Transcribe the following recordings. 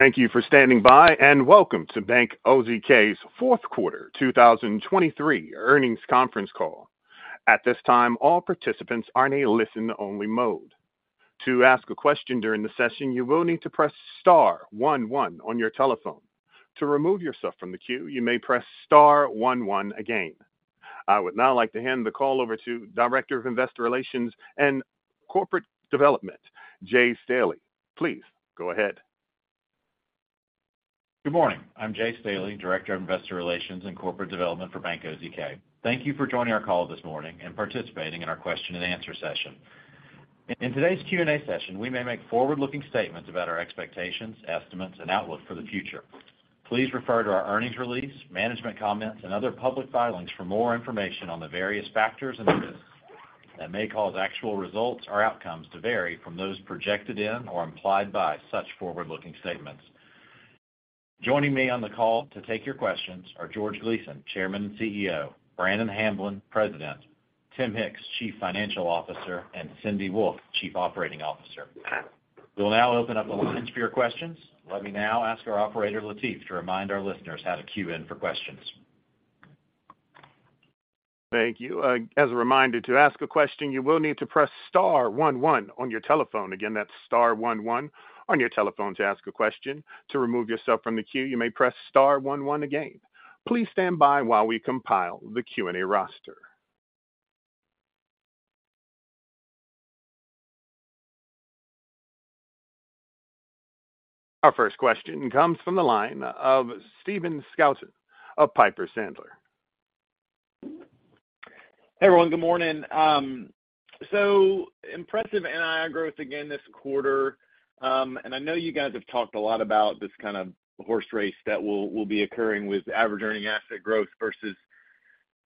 Thank you for standing by, and welcome to Bank OZK's Fourth Quarter, 2023 Earnings Conference Call. At this time, all participants are in a listen-only mode. To ask a question during the session, you will need to press star one one on your telephone. To remove yourself from the queue, you may press star one one again. I would now like to hand the call over to Director of Investor Relations and Corporate Development, Jay Staley. Please go ahead. Good morning. I'm Jay Staley, Director of Investor Relations and Corporate Development for Bank OZK. Thank you for joining our call this morning and participating in our question-and-answer session. In today's Q&A session, we may make forward-looking statements about our expectations, estimates, and outlook for the future. Please refer to our earnings release, management comments, and other public filings for more information on the various factors and risks that may cause actual results or outcomes to vary from those projected in or implied by such forward-looking statements. Joining me on the call to take your questions are George Gleason, Chairman and CEO, Brannon Hamblen, President, Tim Hicks, Chief Financial Officer, and Cindy Wolfe, Chief Operating Officer. We'll now open up the lines for your questions. Let me now ask our operator, Latif, to remind our listeners how to queue in for questions. Thank you. As a reminder, to ask a question, you will need to press star one one on your telephone. Again, that's star one one on your telephone to ask a question. To remove yourself from the queue, you may press star one one again. Please stand by while we compile the Q&A roster. Our first question comes from the line of Stephen Scouten of Piper Sandler. Hey, everyone. Good morning. Impressive NII growth again this quarter. I know you guys have talked a lot about this kind of horse race that will be occurring with average earning asset growth versus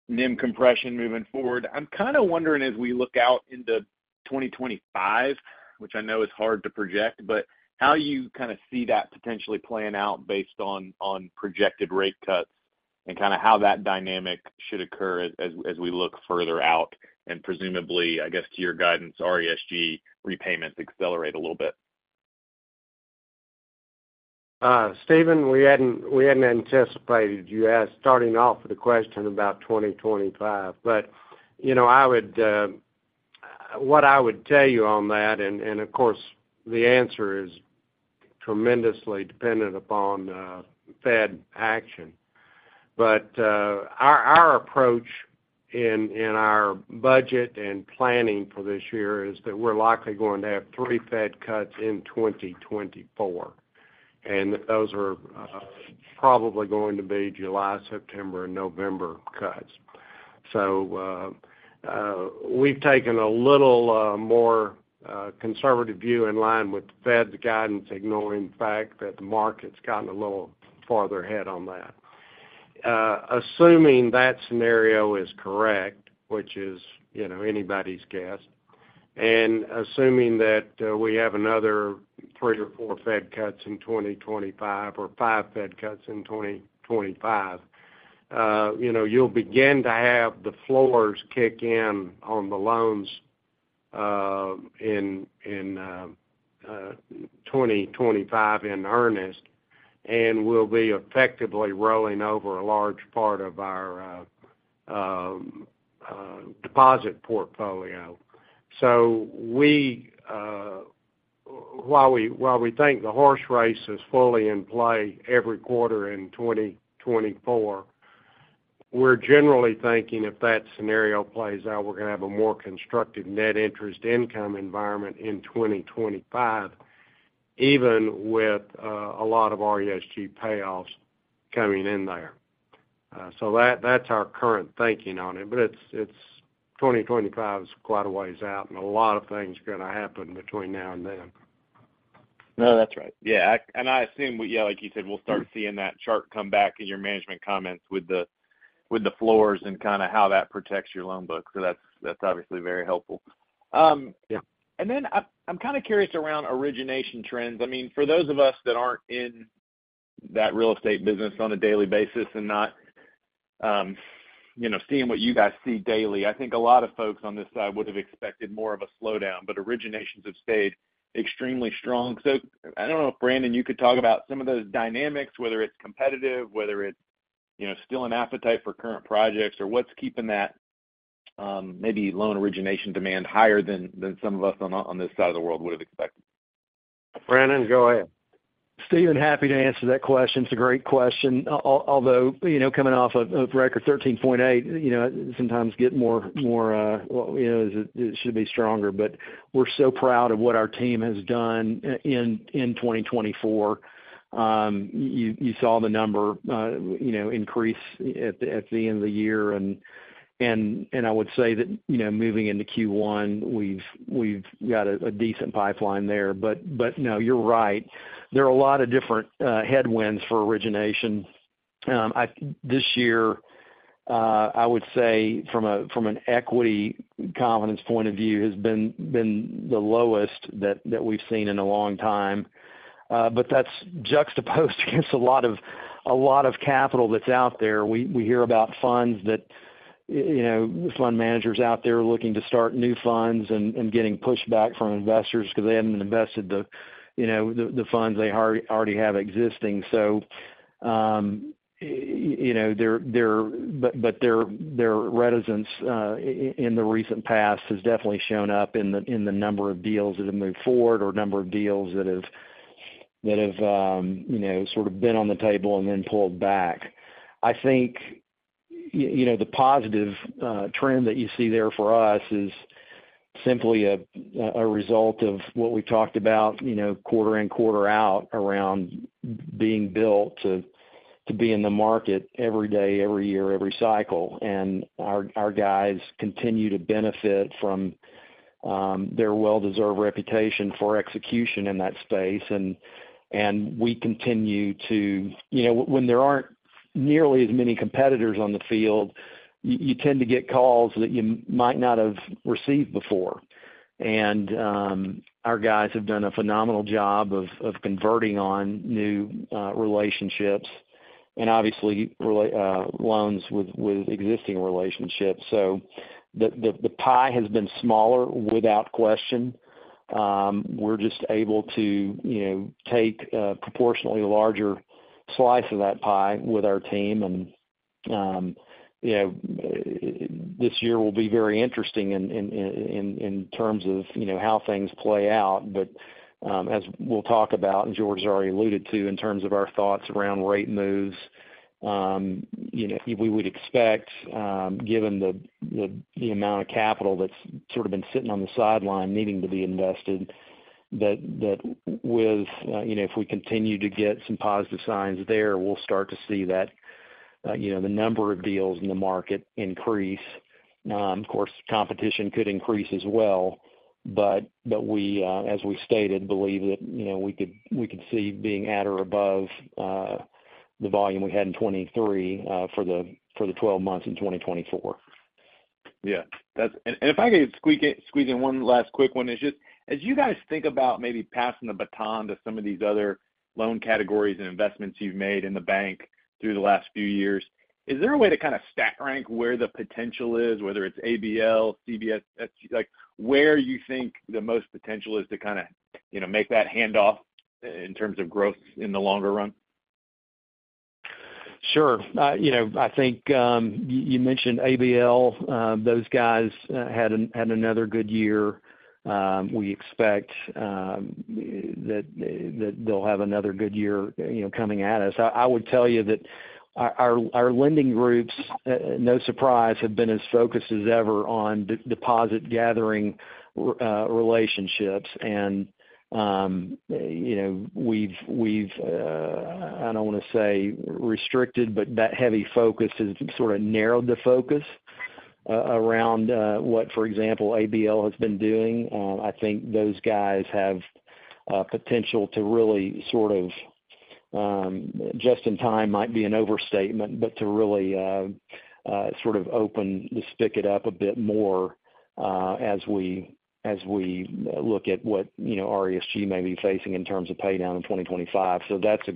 NIM compression moving forward. I'm kind of wondering as we look out into 2025, which I know is hard to project, but how you kind of see that potentially playing out based on projected rate cuts and kind of how that dynamic should occur as we look further out, and presumably, I guess, to your guidance, RESG repayments accelerate a little bit? Stephen, we hadn't, we hadn't anticipated you asked, starting off with a question about 2025. But, you know, I would, what I would tell you on that, and, and of course, the answer is tremendously dependent upon, Fed action. But, our, our approach in, in our budget and planning for this year is that we're likely going to have three Fed cuts in 2024, and those are, probably going to be July, September and November cuts. So, we've taken a little, more, conservative view in line with the Fed's guidance, ignoring the fact that the market's gotten a little farther ahead on that. Assuming that scenario is correct, which is, you know, anybody's guess, and assuming that we have another three or four Fed cuts in 2025 or five Fed cuts in 2025, you know, you'll begin to have the floors kick in on the loans in 2025 in earnest, and we'll be effectively rolling over a large part of our deposit portfolio. So while we think the horse race is fully in play every quarter in 2024, we're generally thinking if that scenario plays out, we're going to have a more constructive net interest income environment in 2025, even with a lot of RESG payoffs coming in there. So that's our current thinking on it, but it's... 2025 is quite a ways out, and a lot of things are going to happen between now and then. No, that's right. Yeah, and I assume, yeah, like you said, we'll start seeing that chart come back in your management comments with the, with the floors and kind of how that protects your loan book. So that's, that's obviously very helpful. Yeah. Then I'm kind of curious around origination trends. I mean, for those of us that aren't in that real estate business on a daily basis and not, you know, seeing what you guys see daily, I think a lot of folks on this side would have expected more of a slowdown, but originations have stayed extremely strong. I don't know if, Brannon, you could talk about some of those dynamics, whether it's competitive, whether it's, you know, still an appetite for current projects, or what's keeping that, maybe loan origination demand higher than some of us on this side of the world would have expected. Brannon, go ahead. Stephen, happy to answer that question. It's a great question. Although, you know, coming off of record 13.8, you know, sometimes get more, more, well, you know, it should be stronger. But we're so proud of what our team has done in 2024. You saw the number, you know, increase at the end of the year, and I would say that, you know, moving into Q1, we've got a decent pipeline there. But no, you're right. There are a lot of different headwinds for origination. This year, I would say from an equity confidence point of view, has been the lowest that we've seen in a long time. But that's juxtaposed against a lot of capital that's out there. We hear about funds that you know, fund managers out there looking to start new funds and getting pushback from investors because they haven't invested the you know, the funds they already have existing. So, you know, their reticence in the recent past has definitely shown up in the number of deals that have moved forward or number of deals that have you know, sort of been on the table and then pulled back. I think, you know, the positive trend that you see there for us is simply a result of what we talked about, you know, quarter in, quarter out around being built to be in the market every day, every year, every cycle. Our guys continue to benefit from their well-deserved reputation for execution in that space. And we continue to... You know, when there aren't nearly as many competitors on the field, you tend to get calls that you might not have received before. And our guys have done a phenomenal job of converting on new relationships and obviously loans with existing relationships. So the pie has been smaller without question. We're just able to, you know, take a proportionally larger slice of that pie with our team. And you know, this year will be very interesting in terms of, you know, how things play out. But, as we'll talk about, and George has already alluded to, in terms of our thoughts around rate moves, you know, we would expect, given the amount of capital that's sort of been sitting on the sideline needing to be invested, that with, you know, if we continue to get some positive signs there, we'll start to see that, you know, the number of deals in the market increase. Of course, competition could increase as well, but, as we stated, believe that, you know, we could see being at or above the volume we had in 2023 for the 12 months in 2024. Yeah. And if I could squeak in, squeeze in one last quick one, is just, as you guys think about maybe passing the baton to some of these other loan categories and investments you've made in the bank through the last few years, is there a way to kind of stack rank where the potential is, whether it's ABL, CBSF, like, where you think the most potential is to kind of, you know, make that handoff in terms of growth in the longer run? Sure. You know, I think you mentioned ABL. Those guys had another good year. We expect that they'll have another good year, you know, coming at us. I would tell you that our lending groups, no surprise, have been as focused as ever on deposit gathering relationships. And you know, we've, I don't want to say restricted, but that heavy focus has sort of narrowed the focus around what, for example, ABL has been doing. I think those guys have potential to really sort of, just in time might be an overstatement, but to really sort of open the spigot up a bit more, as we look at what, you know, RESG may be facing in terms of pay down in 2025. So that's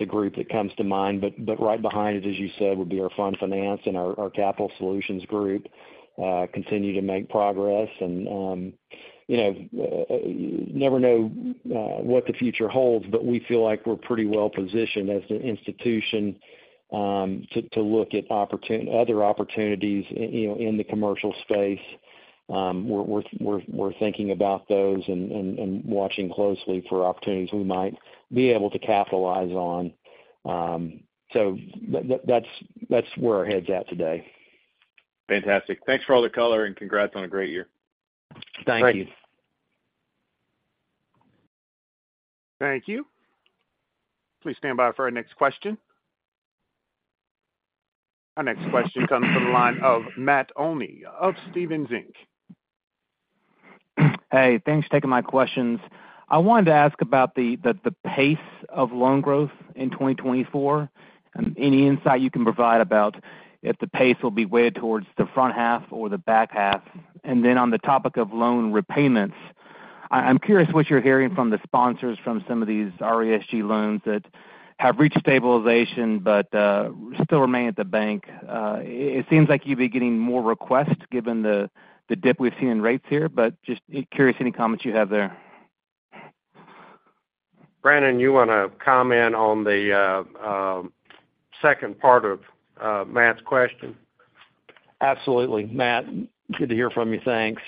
a group that comes to mind, but right behind it, as you said, would be our fund finance and our capital solutions group continue to make progress. And, you know, never know what the future holds, but we feel like we're pretty well positioned as an institution to look at other opportunities, you know, in the commercial space. We're thinking about those and watching closely for opportunities we might be able to capitalize on. That's, that's where our head's at today. Fantastic. Thanks for all the color, and congrats on a great year. Thank you. Thank you. Please stand by for our next question. Our next question comes from the line of Matt Olney of Stephens Inc. Hey, thanks for taking my questions. I wanted to ask about the pace of loan growth in 2024, and any insight you can provide about if the pace will be weighed towards the front half or the back half? And then on the topic of loan repayments, I'm curious what you're hearing from the sponsors from some of these RESG loans that have reached stabilization but still remain at the bank. It seems like you'd be getting more requests given the dip we've seen in rates here, but just curious, any comments you have there? Brannon, you want to comment on the second part of Matt's question? Absolutely. Matt, good to hear from you. Thanks.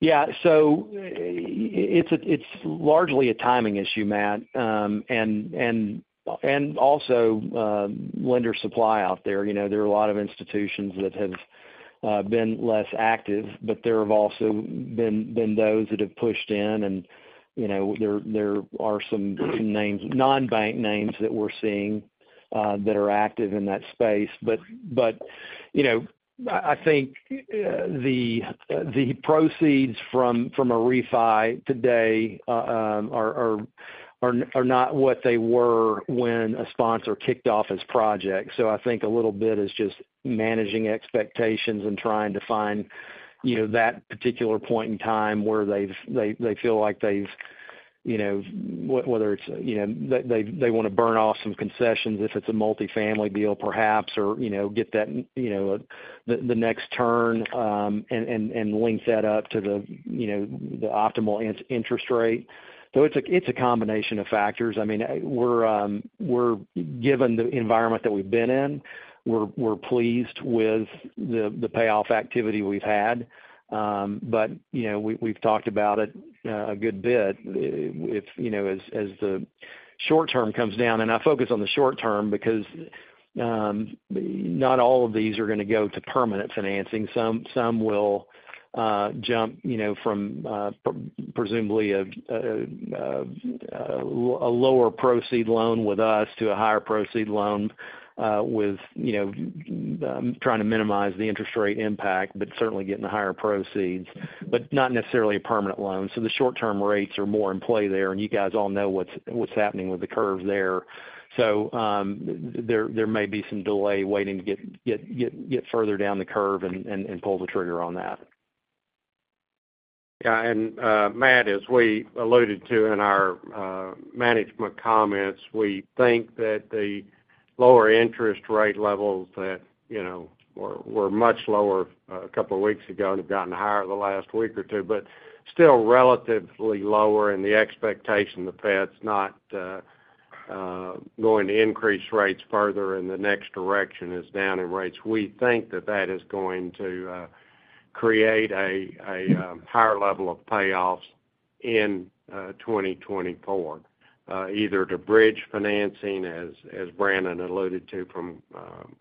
Yeah, so it's a, it's largely a timing issue, Matt, and also lender supply out there. You know, there are a lot of institutions that have been less active, but there have also been those that have pushed in. And, you know, there are some names, non-bank names that we're seeing that are active in that space. But, you know, I think the proceeds from a refi today are not what they were when a sponsor kicked off his project. So I think a little bit is just managing expectations and trying to find, you know, that particular point in time where they've-- they feel like they've-... You know, whether it's, you know, they, they want to burn off some concessions if it's a multifamily deal, perhaps, or, you know, get that, you know, the, the next turn, and link that up to the, you know, the optimal interest rate. So it's a combination of factors. I mean, we're given the environment that we've been in, we're pleased with the payoff activity we've had. But, you know, we've talked about it a good bit. If, you know, as the short term comes down, and I focus on the short term because not all of these are going to go to permanent financing. Some will, you know, jump from, presumably, a lower proceed loan with us to a higher proceed loan, with, you know, trying to minimize the interest rate impact, but certainly getting the higher proceeds, but not necessarily a permanent loan. So the short-term rates are more in play there, and you guys all know what's happening with the curve there. So, there may be some delay waiting to get further down the curve and pull the trigger on that. Yeah, and, Matt, as we alluded to in our management comments, we think that the lower interest rate levels that, you know, were much lower a couple of weeks ago and have gotten higher the last week or two, but still relatively lower, and the expectation, the Fed's not going to increase rates further, and the next direction is down in rates. We think that that is going to create a higher level of payoffs in 2024, either to bridge financing, as Brannon alluded to, from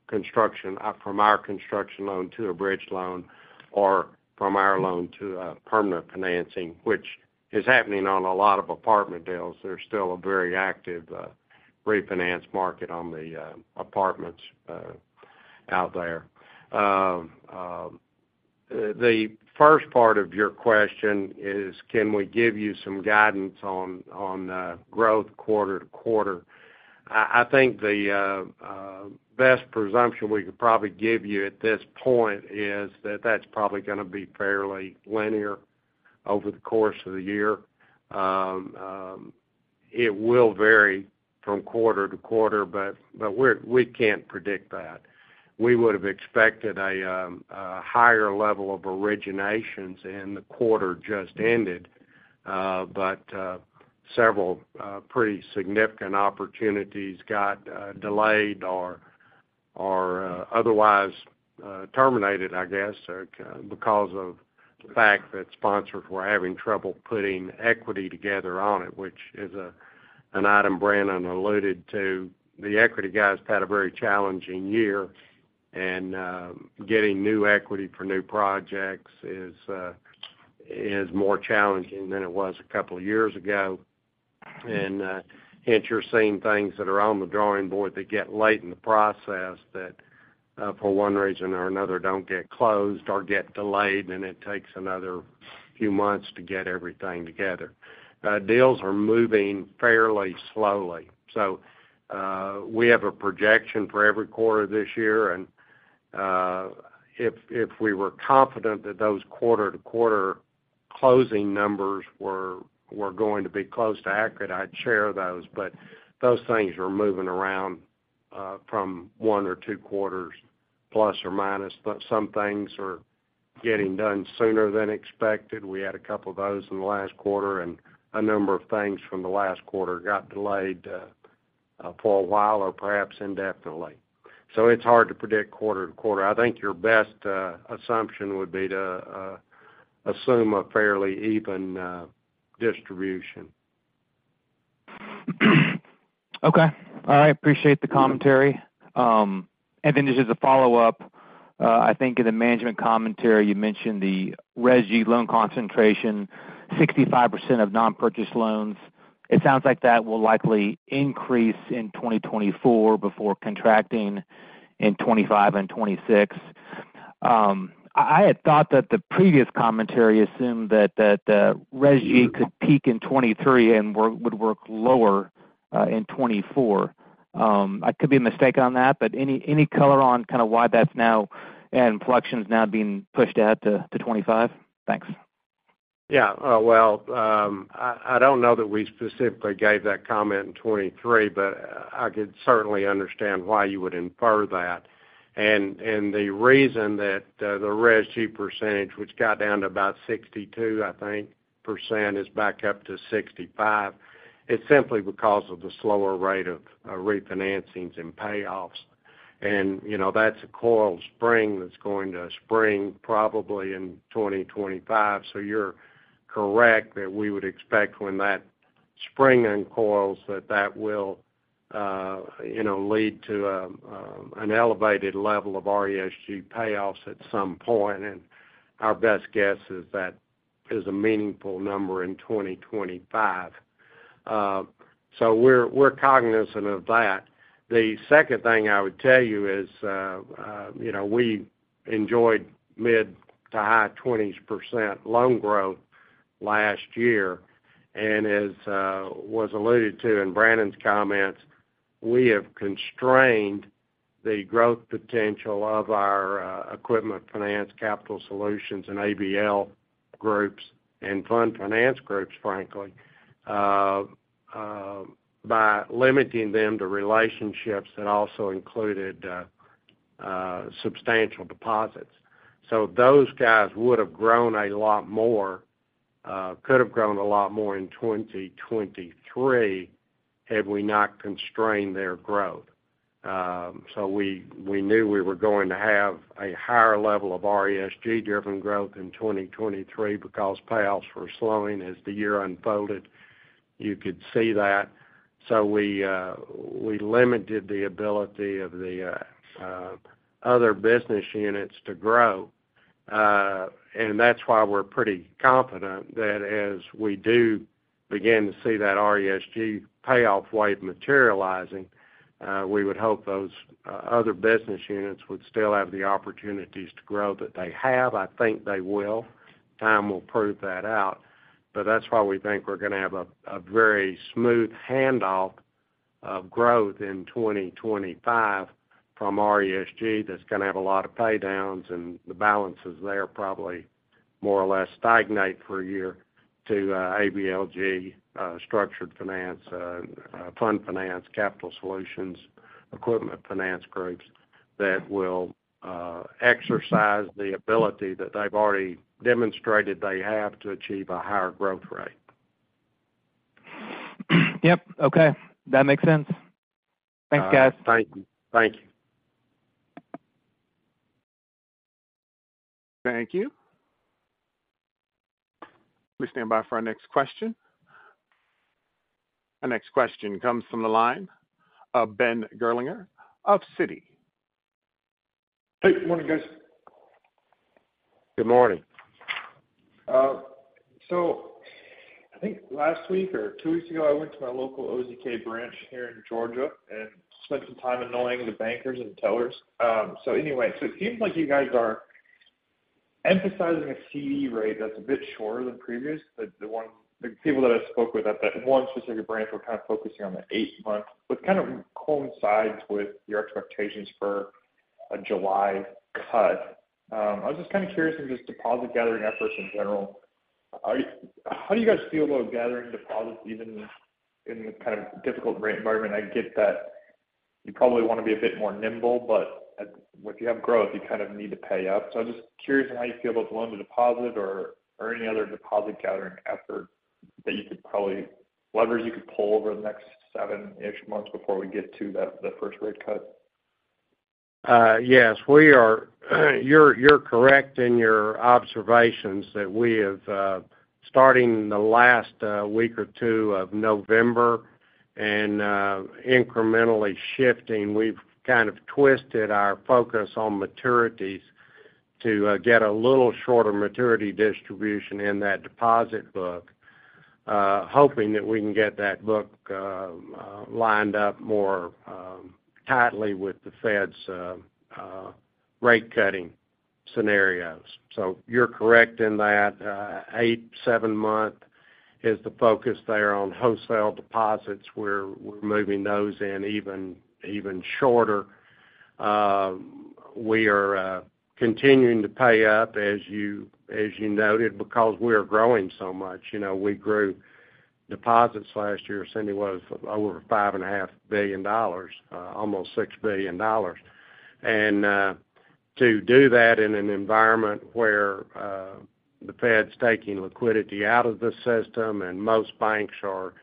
construction- from our construction loan to a bridge loan, or from our loan to a permanent financing, which is happening on a lot of apartment deals. There's still a very active refinance market on the apartments out there. The first part of your question is, can we give you some guidance on growth quarter-to-quarter? I think the best presumption we could probably give you at this point is that that's probably going to be fairly linear over the course of the year. It will vary from quarter-to-quarter, but we can't predict that. We would have expected a higher level of originations in the quarter just ended, but several pretty significant opportunities got delayed or otherwise terminated, I guess, because of the fact that sponsors were having trouble putting equity together on it, which is an item Brannon alluded to. The equity guys had a very challenging year, and getting new equity for new projects is more challenging than it was a couple of years ago. Hence, you're seeing things that are on the drawing board that get late in the process that, for one reason or another, don't get closed or get delayed, and it takes another few months to get everything together. Deals are moving fairly slowly. We have a projection for every quarter this year, and if we were confident that those quarter-to-quarter closing numbers were going to be close to accurate, I'd share those, but those things are moving around from one or two quarters, plus or minus. Some things are getting done sooner than expected. We had a couple of those in the last quarter, and a number of things from the last quarter got delayed, for a while, or perhaps indefinitely. So it's hard to predict quarter-to-quarter. I think your best assumption would be to assume a fairly even distribution. Okay. I appreciate the commentary. And then just as a follow-up, I think in the management commentary, you mentioned the RESG loan concentration, 65% of non-purchase loans. It sounds like that will likely increase in 2024 before contracting in 2025 and 2026. I had thought that the previous commentary assumed that RESG could peak in 2023 and would work lower in 2024. I could be a mistake on that, but any color on kind of why that's now, and collection's now being pushed out to 2025? Thanks. Yeah, well, I don't know that we specifically gave that comment in 2023, but I could certainly understand why you would infer that. And the reason that the RESG percentage, which got down to about 62%, I think, is back up to 65%, is simply because of the slower rate of refinancings and payoffs. And, you know, that's a coiled spring that's going to spring probably in 2025. So you're correct that we would expect when that spring uncoils, that will, you know, lead to an elevated level of RESG payoffs at some point, and our best guess is that is a meaningful number in 2025. So we're cognizant of that. The second thing I would tell you is, you know, we enjoyed mid- to high-20s% loan growth last year, and as was alluded to in Brannon's comments, we have constrained the growth potential of our equipment finance, capital solutions, and ABL groups and fund finance groups, frankly, by limiting them to relationships that also included substantial deposits. So those guys would have grown a lot more, could have grown a lot more in 2023 had we not constrained their growth. So we knew we were going to have a higher level of RESG-driven growth in 2023 because payoffs were slowing as the year unfolded. You could see that. So we limited the ability of the other business units to grow. And that's why we're pretty confident that as we do begin to see that RESG payoff wave materializing, we would hope those other business units would still have the opportunities to grow that they have. I think they will. Time will prove that out, but that's why we think we're going to have a very smooth handoff of growth in 2025 from RESG that's going to have a lot of paydowns and the balances there probably more or less stagnate for a year to ABL, structured finance, fund finance, capital solutions, equipment finance groups that will exercise the ability that they've already demonstrated they have to achieve a higher growth rate. Yep. Okay, that makes sense. Thanks, guys. Thank you. Thank you. Thank you. Please stand by for our next question. Our next question comes from the line of Ben Gerlinger of Citi. Hey, good morning, guys. Good morning. So I think last week or two weeks ago, I went to my local OZK branch here in Georgia and spent some time annoying the bankers and the tellers. So anyway, so it seems like you guys are emphasizing a CD rate that's a bit shorter than previous. The people that I spoke with at that one specific branch were kind of focusing on the eight-month, which kind of coincides with your expectations for a July cut. I was just kind of curious in just deposit gathering efforts in general. How do you guys feel about gathering deposits even in the kind of difficult rate environment? I get that you probably want to be a bit more nimble, but if you have growth, you kind of need to pay up. I'm just curious on how you feel about the loan to deposit or any other deposit gathering effort that you could probably levers you could pull over the next seven-ish months before we get to that, the first rate cut. Yes, we are, you're, you're correct in your observations that we have, starting in the last, week or 2 of November and, incrementally shifting, we've kind of twisted our focus on maturities to, get a little shorter maturity distribution in that deposit book, hoping that we can get that book, lined up more, tightly with the Fed's, rate cutting scenarios. So you're correct in that, eight, seven month is the focus there on wholesale deposits, we're, we're moving those in even, even shorter. We are, continuing to pay up, as you, as you noted, because we are growing so much. You know, we grew deposits last year, Cindy, was over $5.5 billion, almost $6 billion. To do that in an environment where the Fed's taking liquidity out of the system and most banks are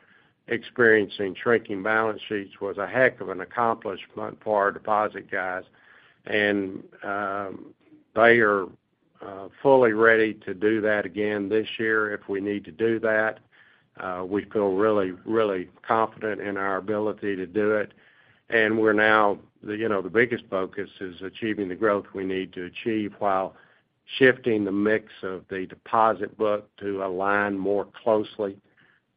experiencing shrinking balance sheets was a heck of an accomplishment for our deposit guys. They are fully ready to do that again this year, if we need to do that. We feel really, really confident in our ability to do it, and we're now, you know, the biggest focus is achieving the growth we need to achieve, while shifting the mix of the deposit book to align more closely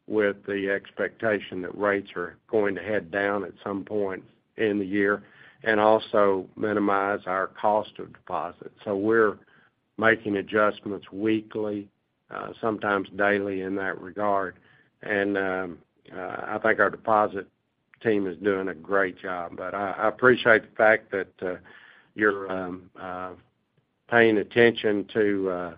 with the expectation that rates are going to head down at some point in the year, and also minimize our cost of deposit. We're making adjustments weekly, sometimes daily in that regard. I think our deposit team is doing a great job. But I appreciate the fact that you're paying attention to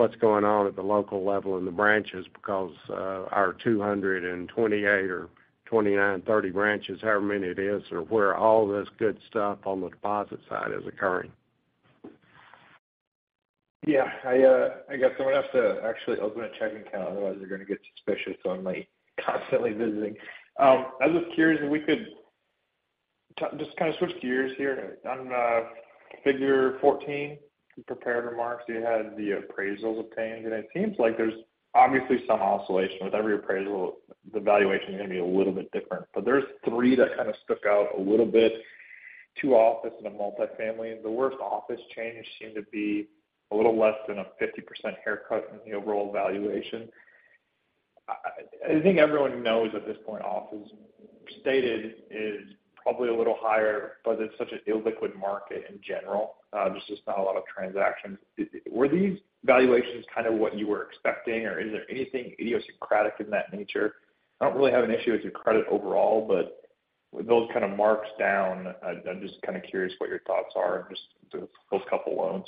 what's going on at the local level in the branches, because our 228 or 229, 230 branches, however many it is, are where all this good stuff on the deposit side is occurring. Yeah, I, I guess I'm gonna have to actually open a checking account, otherwise they're going to get suspicious on me constantly visiting. I was just curious if we could just kind of switch gears here. On Figure 14, prepared remarks, you had the appraisals obtained, and it seems like there's obviously some oscillation. With every appraisal, the valuation is going to be a little bit different, but there's three that kind of stuck out a little bit, two office and a multifamily. The worst office change seemed to be a little less than a 50% haircut in the overall valuation. I think everyone knows at this point, office space, is probably a little higher, but it's such an illiquid market in general. There's just not a lot of transactions. Were these valuations kind of what you were expecting, or is there anything idiosyncratic in that nature? I don't really have an issue with your credit overall, but with those kind of markdowns, I'm just kind of curious what your thoughts are, just those couple loans....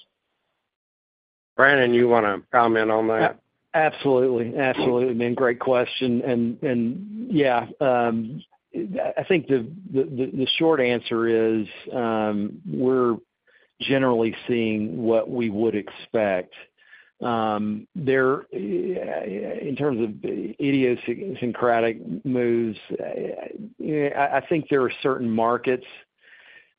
Brannon, you want to comment on that? Absolutely. Absolutely, I mean, great question. And, yeah, I think the short answer is, we're generally seeing what we would expect. There, in terms of the idiosyncratic moves, I think there are certain markets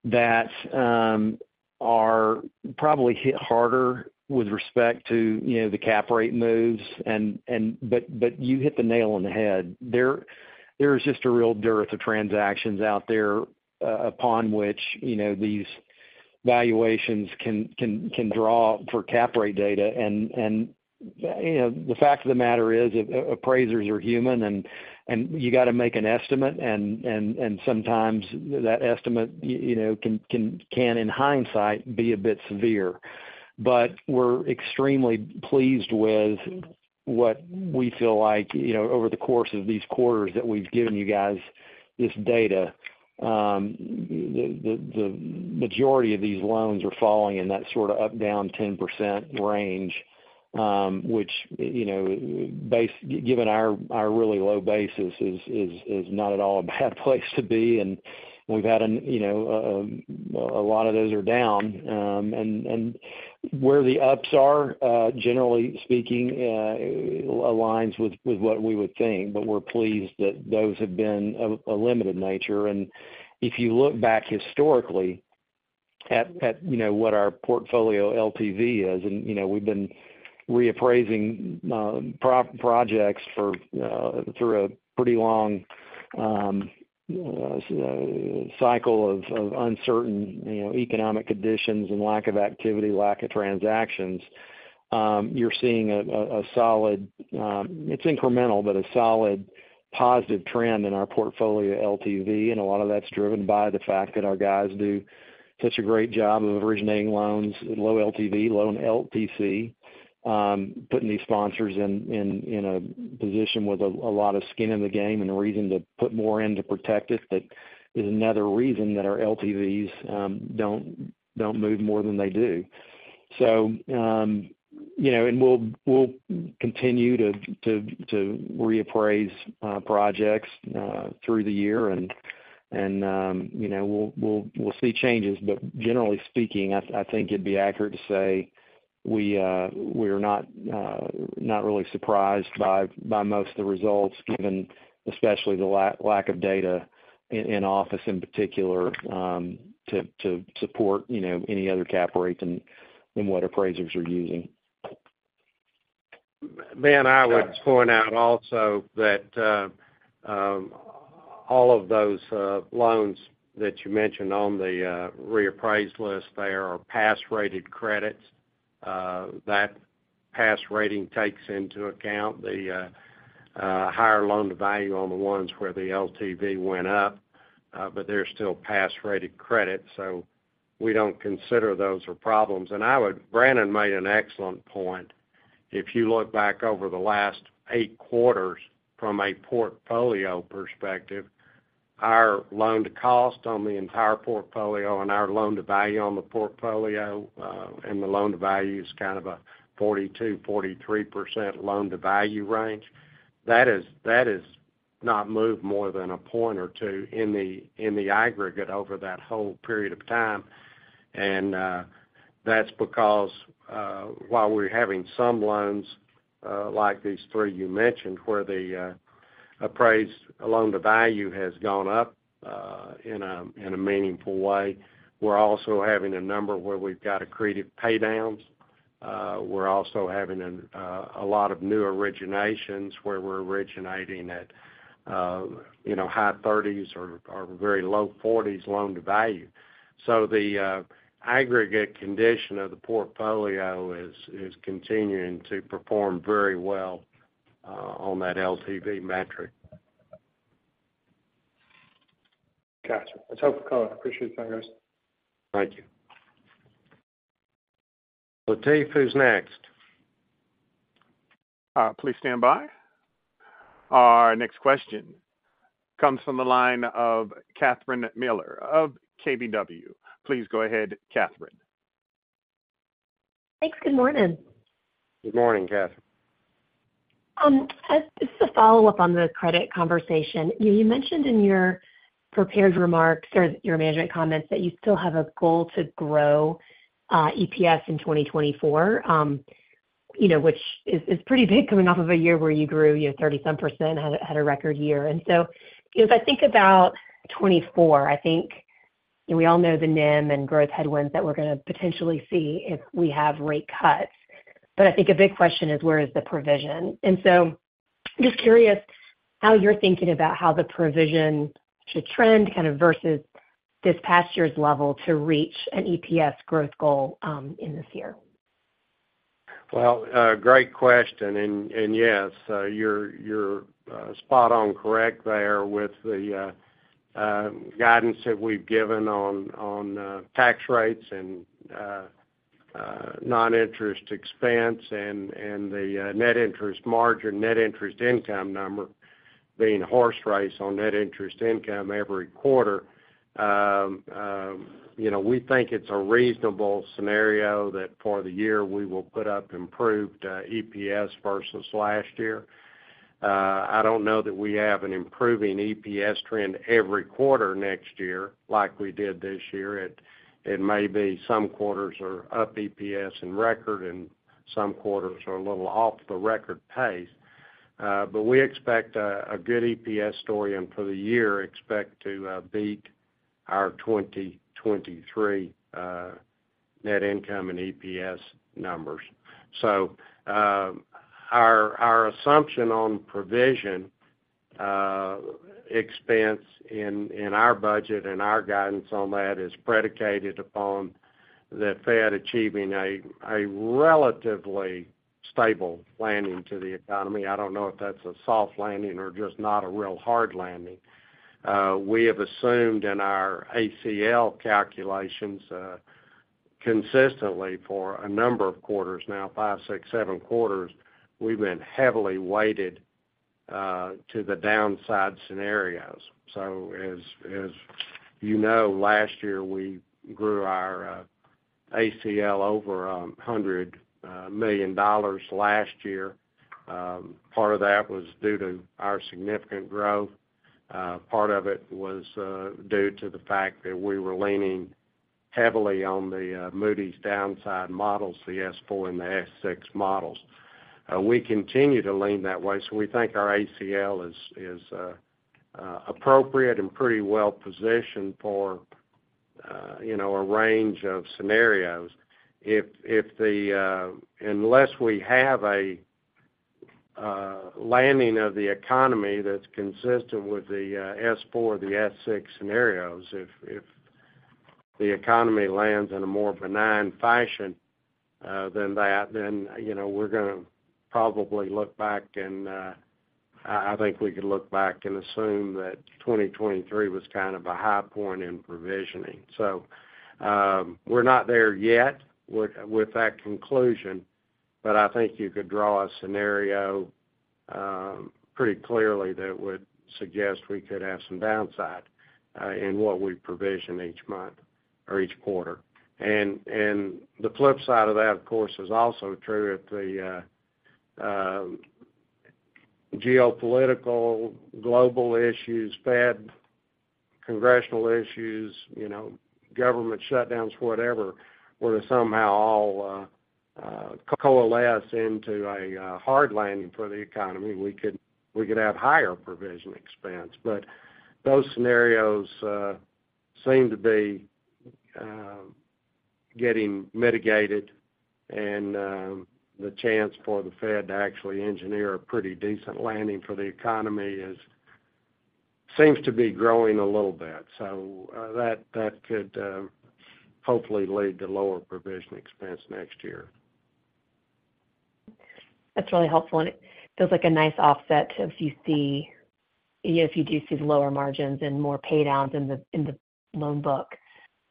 that are probably hit harder with respect to, you know, the cap rate moves, and but you hit the nail on the head. There is just a real dearth of transactions out there, upon which, you know, these valuations can draw for cap rate data. And, you know, the fact of the matter is, appraisers are human, and you got to make an estimate, and sometimes that estimate, you know, can, in hindsight, be a bit severe. But we're extremely pleased with what we feel like, you know, over the course of these quarters that we've given you guys this data. The majority of these loans are falling in that sort of up-down 10% range, which, you know, given our really low basis, is not at all a bad place to be. And we've had, you know, a lot of those are down. And where the ups are, generally speaking, aligns with what we would think, but we're pleased that those have been of a limited nature. If you look back historically at you know what our portfolio LTV is, and you know we've been reappraising projects through a pretty long cycle of uncertain you know economic conditions and lack of activity, lack of transactions. You're seeing a solid, it's incremental, but a solid positive trend in our portfolio LTV, and a lot of that's driven by the fact that our guys do such a great job of originating loans, low LTV, low LTC. Putting these sponsors in a position with a lot of skin in the game and a reason to put more in to protect it, that is another reason that our LTVs don't move more than they do. So, you know, and we'll continue to reappraise projects through the year, and you know, we'll see changes. But generally speaking, I think it'd be accurate to say we're not really surprised by most of the results, given especially the lack of data in office, in particular, to support you know, any other cap rates than what appraisers are using. Ben, I would point out also that all of those loans that you mentioned on the reappraise list, they are pass-rated credits. That pass rating takes into account the higher loan-to-value on the ones where the LTV went up, but they're still pass-rated credits, so we don't consider those are problems. Brannon made an excellent point. If you look back over the last eight quarters from a portfolio perspective, our loan to cost on the entire portfolio and our loan to value on the portfolio, and the loan to value is kind of a 42%-43% loan to value range. That has not moved more than a point or two in the aggregate over that whole period of time. That's because, while we're having some loans, like these three you mentioned, where the appraised loan to value has gone up, in a meaningful way, we're also having a number where we've got accretive pay downs. We're also having a lot of new originations, where we're originating at, you know, high 30s or very low 40s loan to value. So the aggregate condition of the portfolio is continuing to perform very well, on that LTV metric. Gotcha. That's helpful, color. Appreciate the time, guys. Thank you. Latif, who's next? Please stand by. Our next question comes from the line of Catherine Mealor of KBW. Please go ahead, Catherine. Thanks. Good morning. Good morning, Catherine. Just a follow-up on the credit conversation. You mentioned in your prepared remarks or your management comments that you still have a goal to grow EPS in 2024, you know, which is pretty big coming off of a year where you grew, you know, 30-some%, had a record year. And so, you know, as I think about 2024, I think, you know, we all know the NIM and growth headwinds that we're going to potentially see if we have rate cuts. But I think a big question is, where is the provision? And so just curious how you're thinking about how the provision should trend kind of versus this past year's level to reach an EPS growth goal in this year? Well, great question. And, yes, you're spot on correct there with the guidance that we've given on tax rates and non-interest expense and the net interest margin, net interest income number... being a horse race on net interest income every quarter, you know, we think it's a reasonable scenario that for the year, we will put up improved EPS versus last year. I don't know that we have an improving EPS trend every quarter next year, like we did this year. It may be some quarters are up EPS in record, and some quarters are a little off the record pace. But we expect a good EPS story, and for the year, expect to beat our 2023 net income and EPS numbers. So, our assumption on provision expense in our budget and our guidance on that is predicated upon the Fed achieving a relatively stable landing to the economy. I don't know if that's a soft landing or just not a real hard landing. We have assumed in our ACL calculations consistently for a number of quarters now, five, six, seven quarters, we've been heavily weighted to the downside scenarios. So as you know, last year, we grew our ACL over $100 million last year. Part of that was due to our significant growth. Part of it was due to the fact that we were leaning heavily on the Moody's downside models, the S4 and the S6 models. We continue to lean that way, so we think our ACL is appropriate and pretty well positioned for, you know, a range of scenarios. Unless we have a landing of the economy that's consistent with the S4 or the S6 scenarios, if the economy lands in a more benign fashion than that, then, you know, we're gonna probably look back and I think we could look back and assume that 2023 was kind of a high point in provisioning. So, we're not there yet with that conclusion, but I think you could draw a scenario pretty clearly that would suggest we could have some downside in what we provision each month or each quarter. And the flip side of that, of course, is also true. If the geopolitical, global issues, Fed, congressional issues, you know, government shutdowns, whatever, were to somehow all coalesce into a hard landing for the economy, we could have higher provision expense. But those scenarios seem to be getting mitigated, and the chance for the Fed to actually engineer a pretty decent landing for the economy seems to be growing a little bit. So, that could hopefully lead to lower provision expense next year. That's really helpful, and it feels like a nice offset if you see, if you do see the lower margins and more pay downs in the loan book,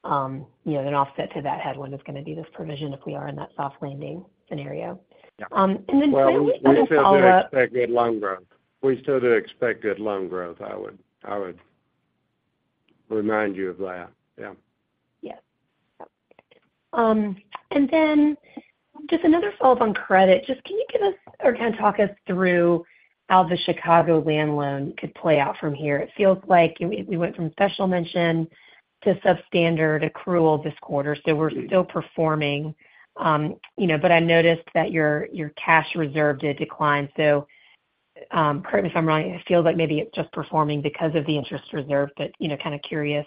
you know, an offset to that headwind is going to be this provision if we are in that soft landing scenario. Yeah. And then finally, just a follow up- Well, we still do expect good loan growth. We still do expect good loan growth. I would, I would remind you of that. Yeah. Yes. And then just another follow-up on credit. Just, can you give us, or kind of talk us through how the Chicagoland loan could play out from here? It feels like you- we, we went from special mention to substandard accrual this quarter, so we're still performing. You know, but I noticed that your, your cash reserve did decline. So, correct me if I'm wrong, it feels like maybe it's just performing because of the interest reserve. But, you know, kind of curious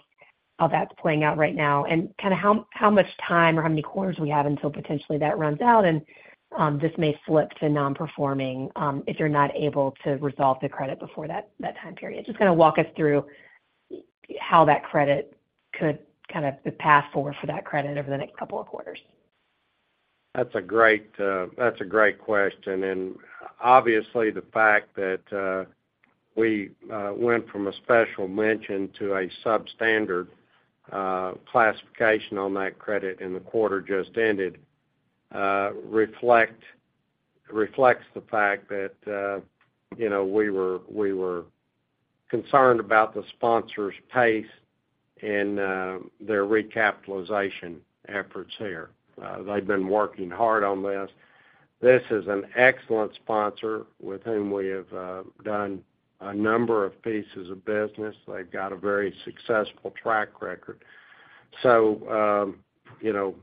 how that's playing out right now, and kind of how, how much time or how many quarters we have until potentially that runs out, and, this may slip to non-performing, if you're not able to resolve the credit before that, that time period. Just kind of walk us through how that credit could, kind of, the path forward for that credit over the next couple of quarters? That's a great, that's a great question. And obviously, the fact that we went from a special mention to a substandard classification on that credit in the quarter just ended reflects the fact that, you know, we were concerned about the sponsor's pace in their recapitalization efforts here. They've been working hard on this. This is an excellent sponsor with whom we have done a number of pieces of business. They've got a very successful track record. So, you know,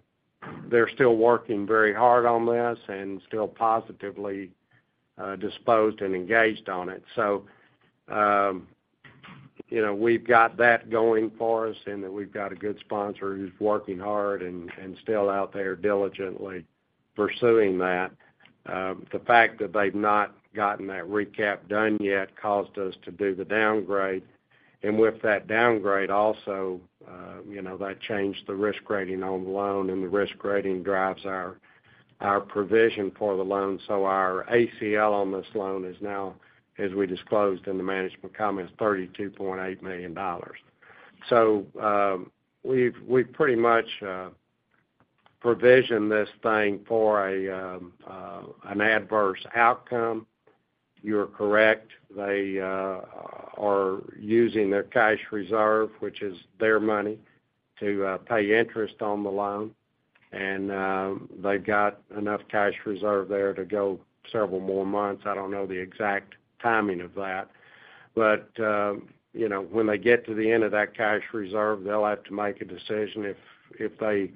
they're still working very hard on this and still positively disposed and engaged on it. So, you know, we've got that going for us, and that we've got a good sponsor who's working hard and still out there diligently pursuing that. The fact that they've not gotten that recap done yet caused us to do the downgrade. And with that downgrade also, you know, that changed the risk rating on the loan, and the risk rating drives our provision for the loan. So our ACL on this loan is now, as we disclosed in the management comments, $32.8 million. So, we've pretty much provision this thing for an adverse outcome. You're correct, they are using their cash reserve, which is their money, to pay interest on the loan, and they've got enough cash reserve there to go several more months. I don't know the exact timing of that, but you know, when they get to the end of that cash reserve, they'll have to make a decision if they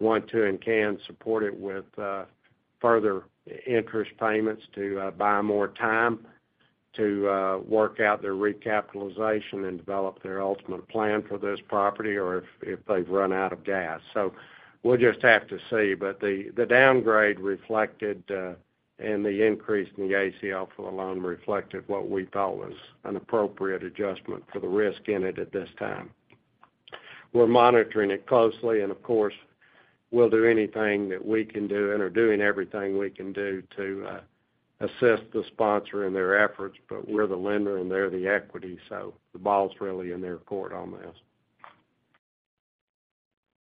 want to and can support it with further interest payments to buy more time to work out their recapitalization and develop their ultimate plan for this property, or if they've run out of gas. So we'll just have to see. But the downgrade reflected and the increase in the ACL for the loan reflected what we thought was an appropriate adjustment for the risk in it at this time. We're monitoring it closely, and of course, we'll do anything that we can do and are doing everything we can do to assist the sponsor in their efforts, but we're the lender and they're the equity, so the ball's really in their court on this.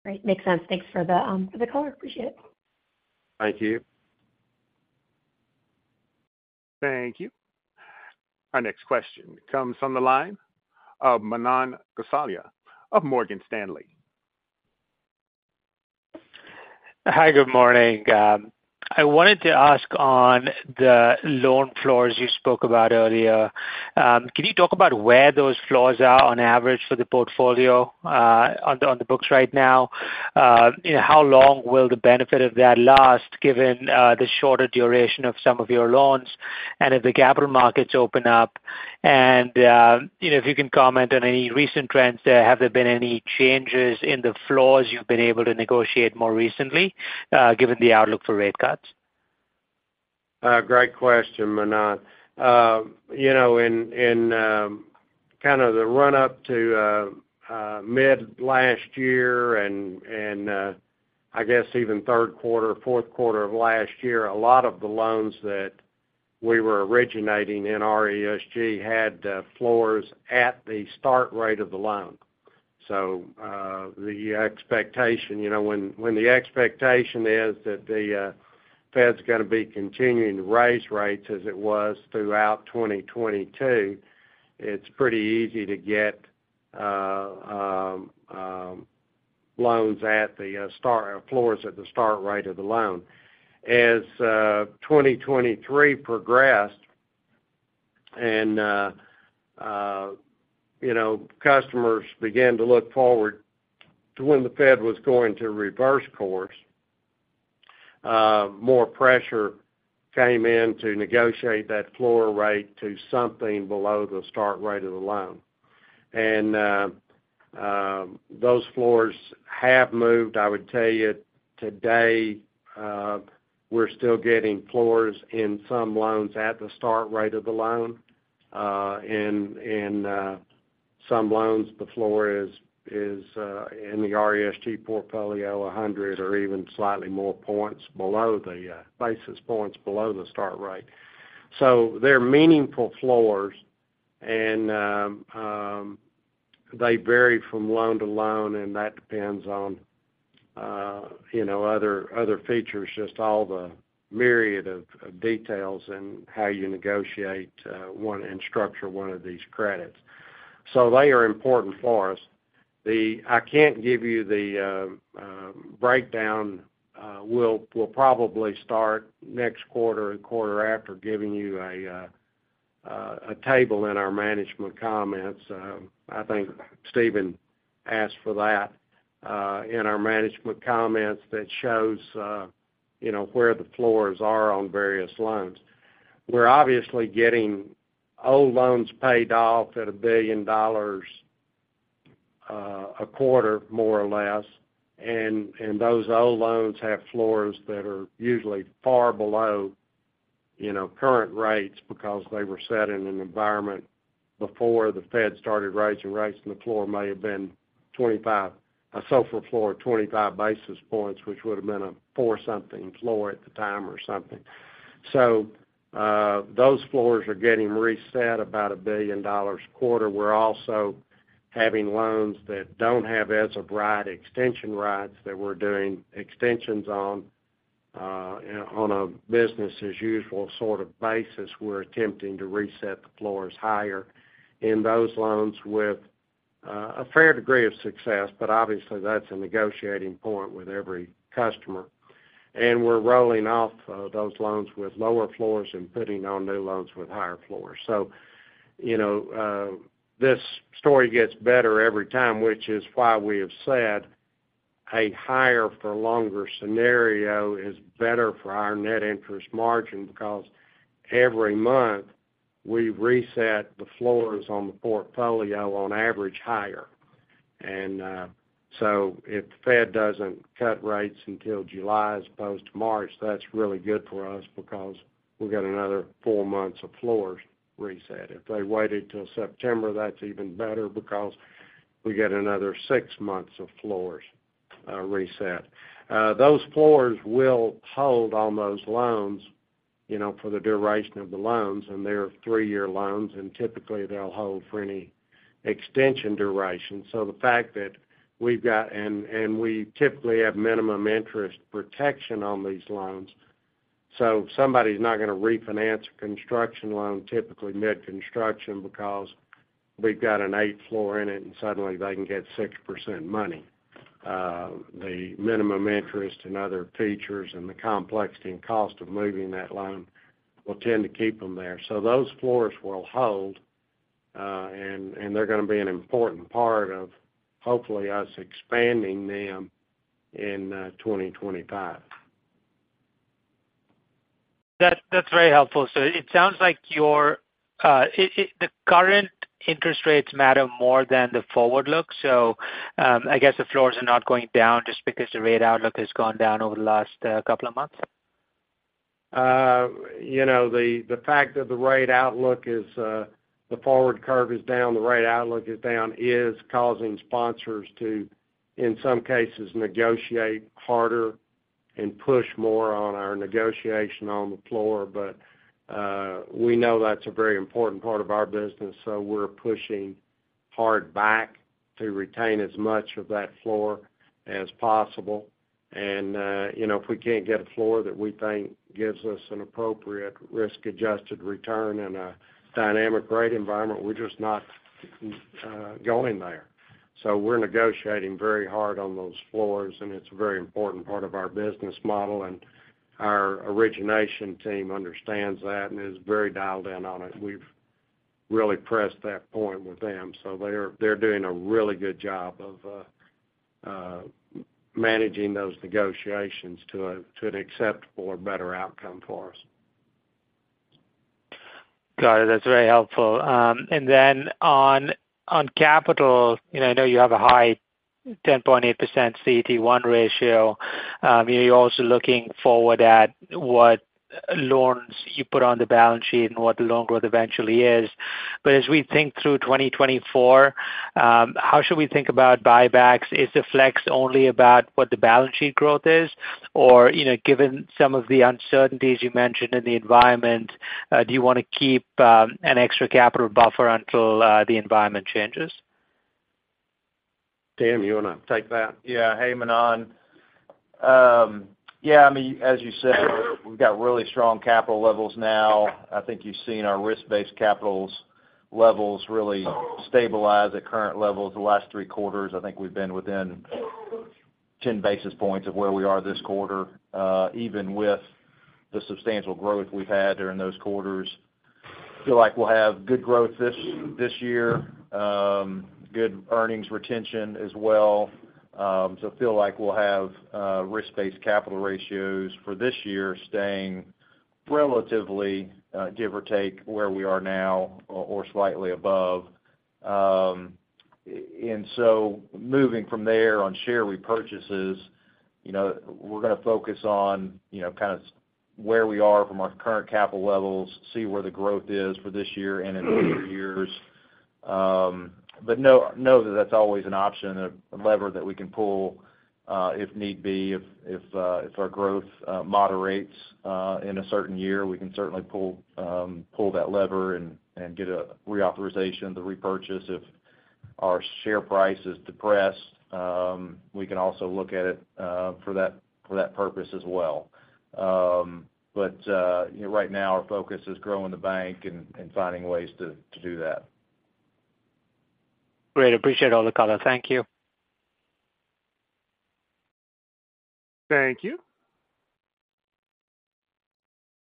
Great, makes sense. Thanks for the, for the color. Appreciate it. Thank you. Thank you. Our next question comes from the line of Manan Gosalia of Morgan Stanley. Hi, good morning. I wanted to ask on the loan floors you spoke about earlier, can you talk about where those floors are on average for the portfolio, on the, on the books right now? How long will the benefit of that last, given, the shorter duration of some of your loans, and if the capital markets open up? And, if you can comment on any recent trends, have there been any changes in the floors you've been able to negotiate more recently, given the outlook for rate cuts? Great question, Manan. You know, in kind of the run up to mid last year and I guess even third quarter, fourth quarter of last year, a lot of the loans that we were originating in RESG had floors at the start rate of the loan. So, the expectation, you know, when the expectation is that the Fed's gonna be continuing to raise rates as it was throughout 2022, it's pretty easy to get loans at the start floors at the start rate of the loan. As 2023 progressed and you know, customers began to look forward to when the Fed was going to reverse course, more pressure came in to negotiate that floor rate to something below the start rate of the loan. Those floors have moved. I would tell you today, we're still getting floors in some loans at the start rate of the loan. And some loans, the floor is in the RESG portfolio, 100 or even slightly more points below the basis points below the start rate. So they're meaningful floors and they vary from loan to loan, and that depends on you know, other features, just all the myriad of details and how you negotiate one and structure one of these credits. So they are important for us. I can't give you the breakdown. We'll probably start next quarter and quarter after, giving you a table in our management comments. I think Stephen asked for that in our management comments that shows you know where the floors are on various loans. We're obviously getting old loans paid off at $1 billion a quarter, more or less, and those old loans have floors that are usually far below you know current rates because they were set in an environment before the Fed started raising rates, and the floor may have been 25, a SOFR floor, 25 basis points, which would have been a 4% something floor at the time or something. So those floors are getting reset about $1 billion a quarter. We're also having loans that don't have as-of-right extension rights that we're doing extensions on on a business as usual sort of basis. We're attempting to reset the floors higher in those loans with a fair degree of success, but obviously, that's a negotiating point with every customer. And we're rolling off those loans with lower floors and putting on new loans with higher floors. So, you know, this story gets better every time, which is why we have said a higher for longer scenario is better for our net interest margin, because every month, we reset the floors on the portfolio on average higher. And so if the Fed doesn't cut rates until July, as opposed to March, that's really good for us because we'll get another four months of floors reset. If they waited till September, that's even better because we get another six months of floors reset. Those floors will hold on those loans-... You know, for the duration of the loans, and they're three-year loans, and typically, they'll hold for any extension duration. So the fact that we've got—and we typically have minimum interest protection on these loans. So somebody's not going to refinance a construction loan, typically mid-construction, because we've got an 8% floor in it, and suddenly they can get 6% money. The minimum interest and other features and the complexity and cost of moving that loan will tend to keep them there. So those floors will hold, and they're going to be an important part of, hopefully, us expanding them in 2025. That's, that's very helpful. So it sounds like your the current interest rates matter more than the forward look. So, I guess the floors are not going down just because the rate outlook has gone down over the last couple of months? You know, the fact that the rate outlook is the forward curve is down, the rate outlook is down, is causing sponsors to, in some cases, negotiate harder and push more on our negotiation on the floor. But we know that's a very important part of our business, so we're pushing hard back to retain as much of that floor as possible. And you know, if we can't get a floor that we think gives us an appropriate risk-adjusted return in a dynamic rate environment, we're just not going there. So we're negotiating very hard on those floors, and it's a very important part of our business model, and our origination team understands that and is very dialed in on it. We've really pressed that point with them, so they're doing a really good job of managing those negotiations to an acceptable or better outcome for us. Got it. That's very helpful. And then on, on capital, you know, I know you have a high 10.8% CET1 ratio. You're also looking forward at what loans you put on the balance sheet and what the loan growth eventually is. But as we think through 2024, how should we think about buybacks? Is the flex only about what the balance sheet growth is, or, you know, given some of the uncertainties you mentioned in the environment, do you want to keep an extra capital buffer until the environment changes? Tim, you want to take that? Yeah. Hey, Manan. Yeah, I mean, as you said, we've got really strong capital levels now. I think you've seen our risk-based capital levels really stabilize at current levels. The last three quarters, I think we've been within 10 basis points of where we are this quarter, even with the substantial growth we've had during those quarters. Feel like we'll have good growth this year, good earnings retention as well. So feel like we'll have risk-based capital ratios for this year staying relatively, give or take, where we are now or slightly above. And so moving from there on share repurchases, you know, we're going to focus on, you know, kind of where we are from our current capital levels, see where the growth is for this year and in future years. But know that that's always an option, a lever that we can pull, if need be. If our growth moderates in a certain year, we can certainly pull that lever and get a reauthorization, the repurchase. If our share price is depressed, we can also look at it for that purpose as well. But you know, right now, our focus is growing the bank and finding ways to do that. Great. Appreciate all the color. Thank you. Thank you.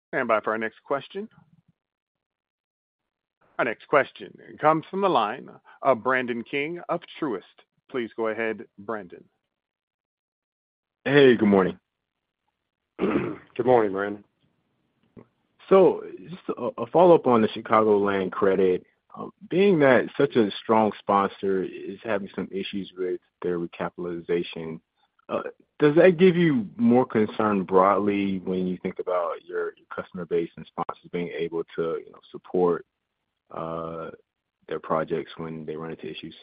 Stand by for our next question. Our next question comes from the line of Brandon King of Truist. Please go ahead, Brandon. Hey, good morning. Good morning, Brandon. So just a follow-up on the Chicagoland credit. Being that such a strong sponsor is having some issues with their recapitalization, does that give you more concern broadly when you think about your customer base and sponsors being able to, you know, support their projects when they run into issues?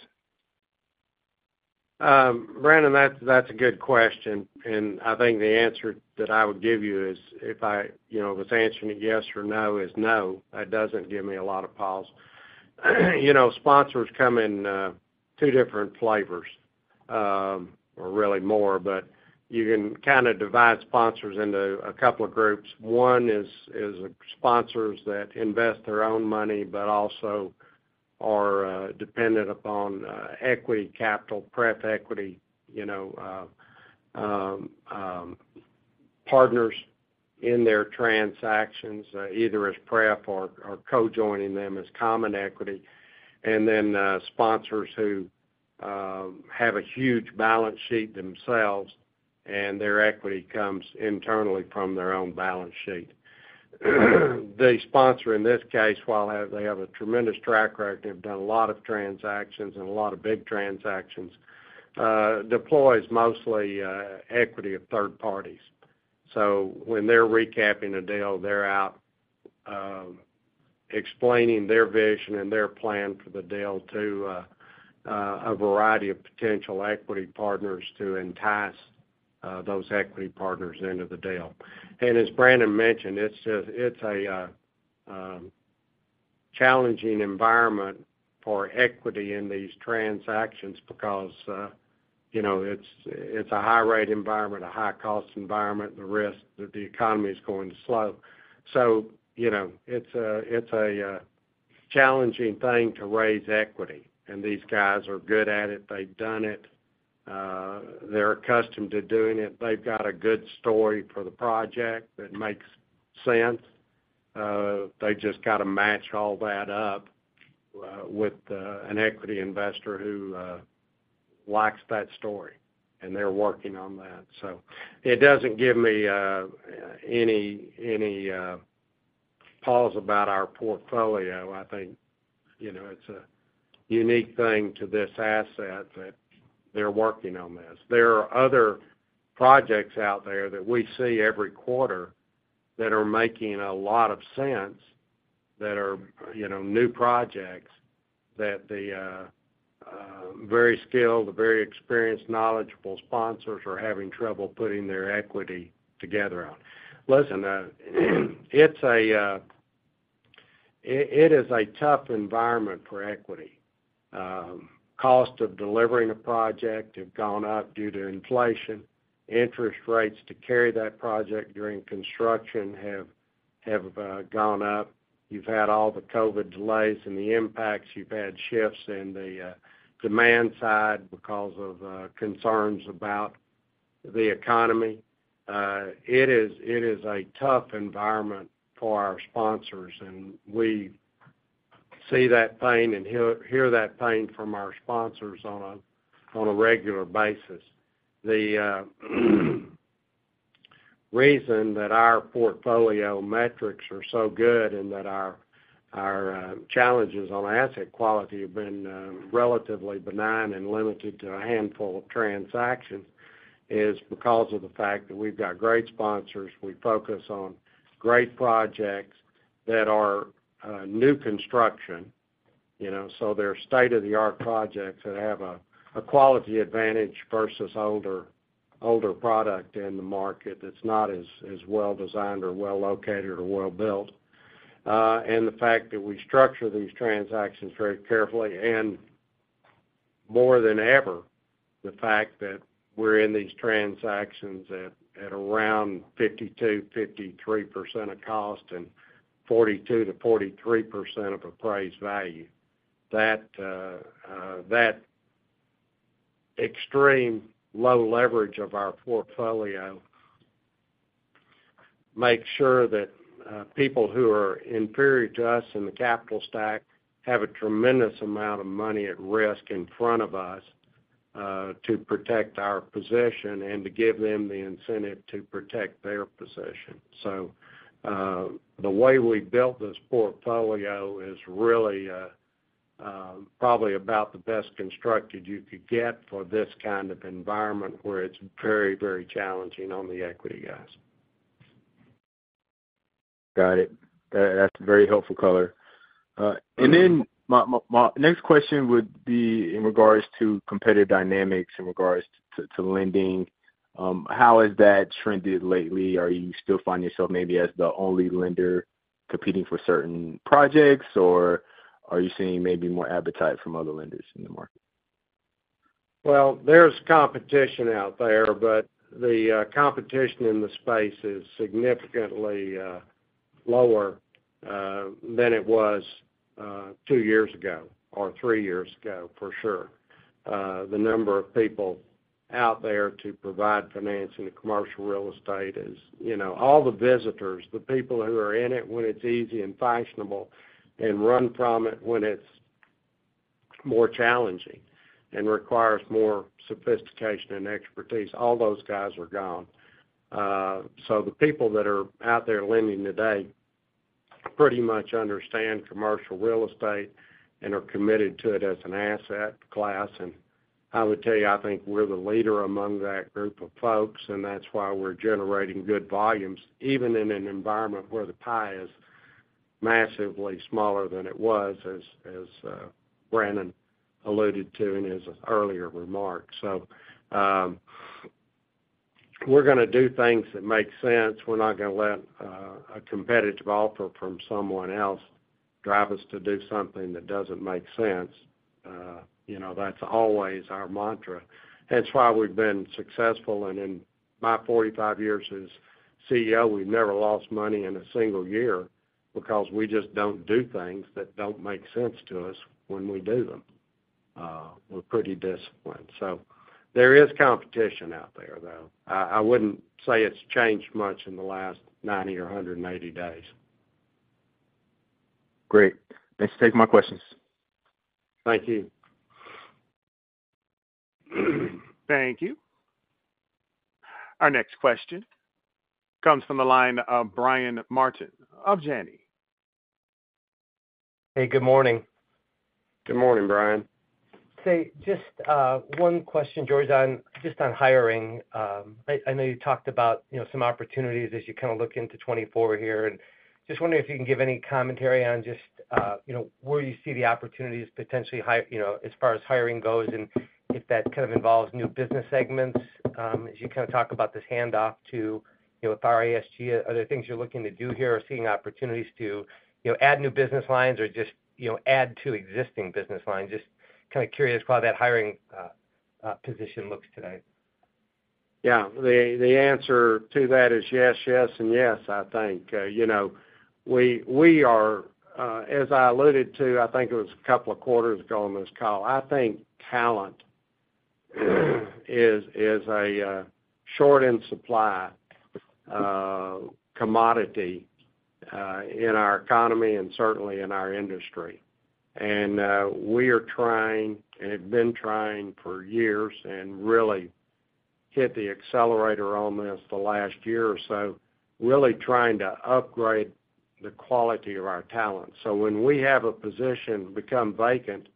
Brandon, that's a good question, and I think the answer that I would give you is, if I you know was answering it yes or no, is no, that doesn't give me a lot of pause. You know, sponsors come in two different flavors, or really more, but you can kind of divide sponsors into a couple of groups. One is sponsors that invest their own money, but also are dependent upon equity, capital, pref equity, you know partners in their transactions, either as prep or co-joining them as common equity, and then sponsors who have a huge balance sheet themselves, and their equity comes internally from their own balance sheet. The sponsor in this case, while they have a tremendous track record, they've done a lot of transactions and a lot of big transactions, deploys mostly equity of third parties. So when they're recapping a deal, they're out explaining their vision and their plan for the deal to a variety of potential equity partners to entice those equity partners into the deal. And as Brannon mentioned, it's a challenging environment for equity in these transactions because, you know, it's a high-rate environment, a high-cost environment, the risk that the economy is going to slow. So, you know, it's a challenging thing to raise equity, and these guys are good at it. They've done it. They're accustomed to doing it. They've got a good story for the project that makes sense. They just got to match all that up with an equity investor who likes that story, and they're working on that. So it doesn't give me any pause about our portfolio. I think, you know, it's a unique thing to this asset that they're working on this. There are other projects out there that we see every quarter that are making a lot of sense, that are, you know, new projects, that the very skilled, very experienced, knowledgeable sponsors are having trouble putting their equity together on. Listen, it is a tough environment for equity. Cost of delivering a project have gone up due to inflation. Interest rates to carry that project during construction have gone up. You've had all the COVID delays and the impacts. You've had shifts in the demand side because of concerns about the economy. It is a tough environment for our sponsors, and we see that pain and hear that pain from our sponsors on a regular basis. The reason that our portfolio metrics are so good and that our challenges on asset quality have been relatively benign and limited to a handful of transactions is because of the fact that we've got great sponsors. We focus on great projects that are new construction, you know, so they're state-of-the-art projects that have a quality advantage versus older product in the market that's not as well designed or well located or well built. And the fact that we structure these transactions very carefully, and more than ever, the fact that we're in these transactions at around 52%-53% of cost and 42%-43% of appraised value. That extreme low leverage of our portfolio makes sure that people who are inferior to us in the capital stack have a tremendous amount of money at risk in front of us to protect our position and to give them the incentive to protect their position. So the way we built this portfolio is really probably about the best constructed you could get for this kind of environment, where it's very, very challenging on the equity guys. Got it. That's a very helpful color. And then my next question would be in regards to competitive dynamics, in regards to lending. How has that trended lately? Are you still finding yourself maybe as the only lender competing for certain projects, or are you seeing maybe more appetite from other lenders in the market? Well, there's competition out there, but the competition in the space is significantly lower than it was two years ago or three years ago, for sure. The number of people out there to provide financing to commercial real estate is, you know, all the visitors, the people who are in it when it's easy and fashionable and run from it when it's more challenging and requires more sophistication and expertise, all those guys are gone. So the people that are out there lending today pretty much understand commercial real estate and are committed to it as an asset class. And I would tell you, I think we're the leader among that group of folks, and that's why we're generating good volumes, even in an environment where the pie is massively smaller than it was, as Brannon alluded to in his earlier remarks. So, we're gonna do things that make sense. We're not gonna let a competitive offer from someone else drive us to do something that doesn't make sense. You know, that's always our mantra. That's why we've been successful, and in my 45 years as CEO, we've never lost money in a single year because we just don't do things that don't make sense to us when we do them. We're pretty disciplined. So there is competition out there, though. I wouldn't say it's changed much in the last 90 or 180 days. Great. Thanks for taking my questions. Thank you. Thank you. Our next question comes from the line of Brian Martin of Janney. Hey, good morning. Good morning, Brian. Say, just one question, George, on just on hiring. I know you talked about, you know, some opportunities as you kind of look into 2024 here, and just wondering if you can give any commentary on just, you know, where you see the opportunities potentially you know, as far as hiring goes, and if that kind of involves new business segments. As you kind of talk about this handoff to, you know, with RESG, are there things you're looking to do here or seeing opportunities to, you know, add new business lines or just, you know, add to existing business lines? Just kind of curious how that hiring position looks today. Yeah. The answer to that is yes, yes, and yes, I think. You know, we are, as I alluded to, I think it was a couple of quarters ago on this call, I think talent is a short in supply commodity in our economy and certainly in our industry. And we are trying, and have been trying for years, and really hit the accelerator on this the last year or so, really trying to upgrade the quality of our talent. So when we have a position become vacant,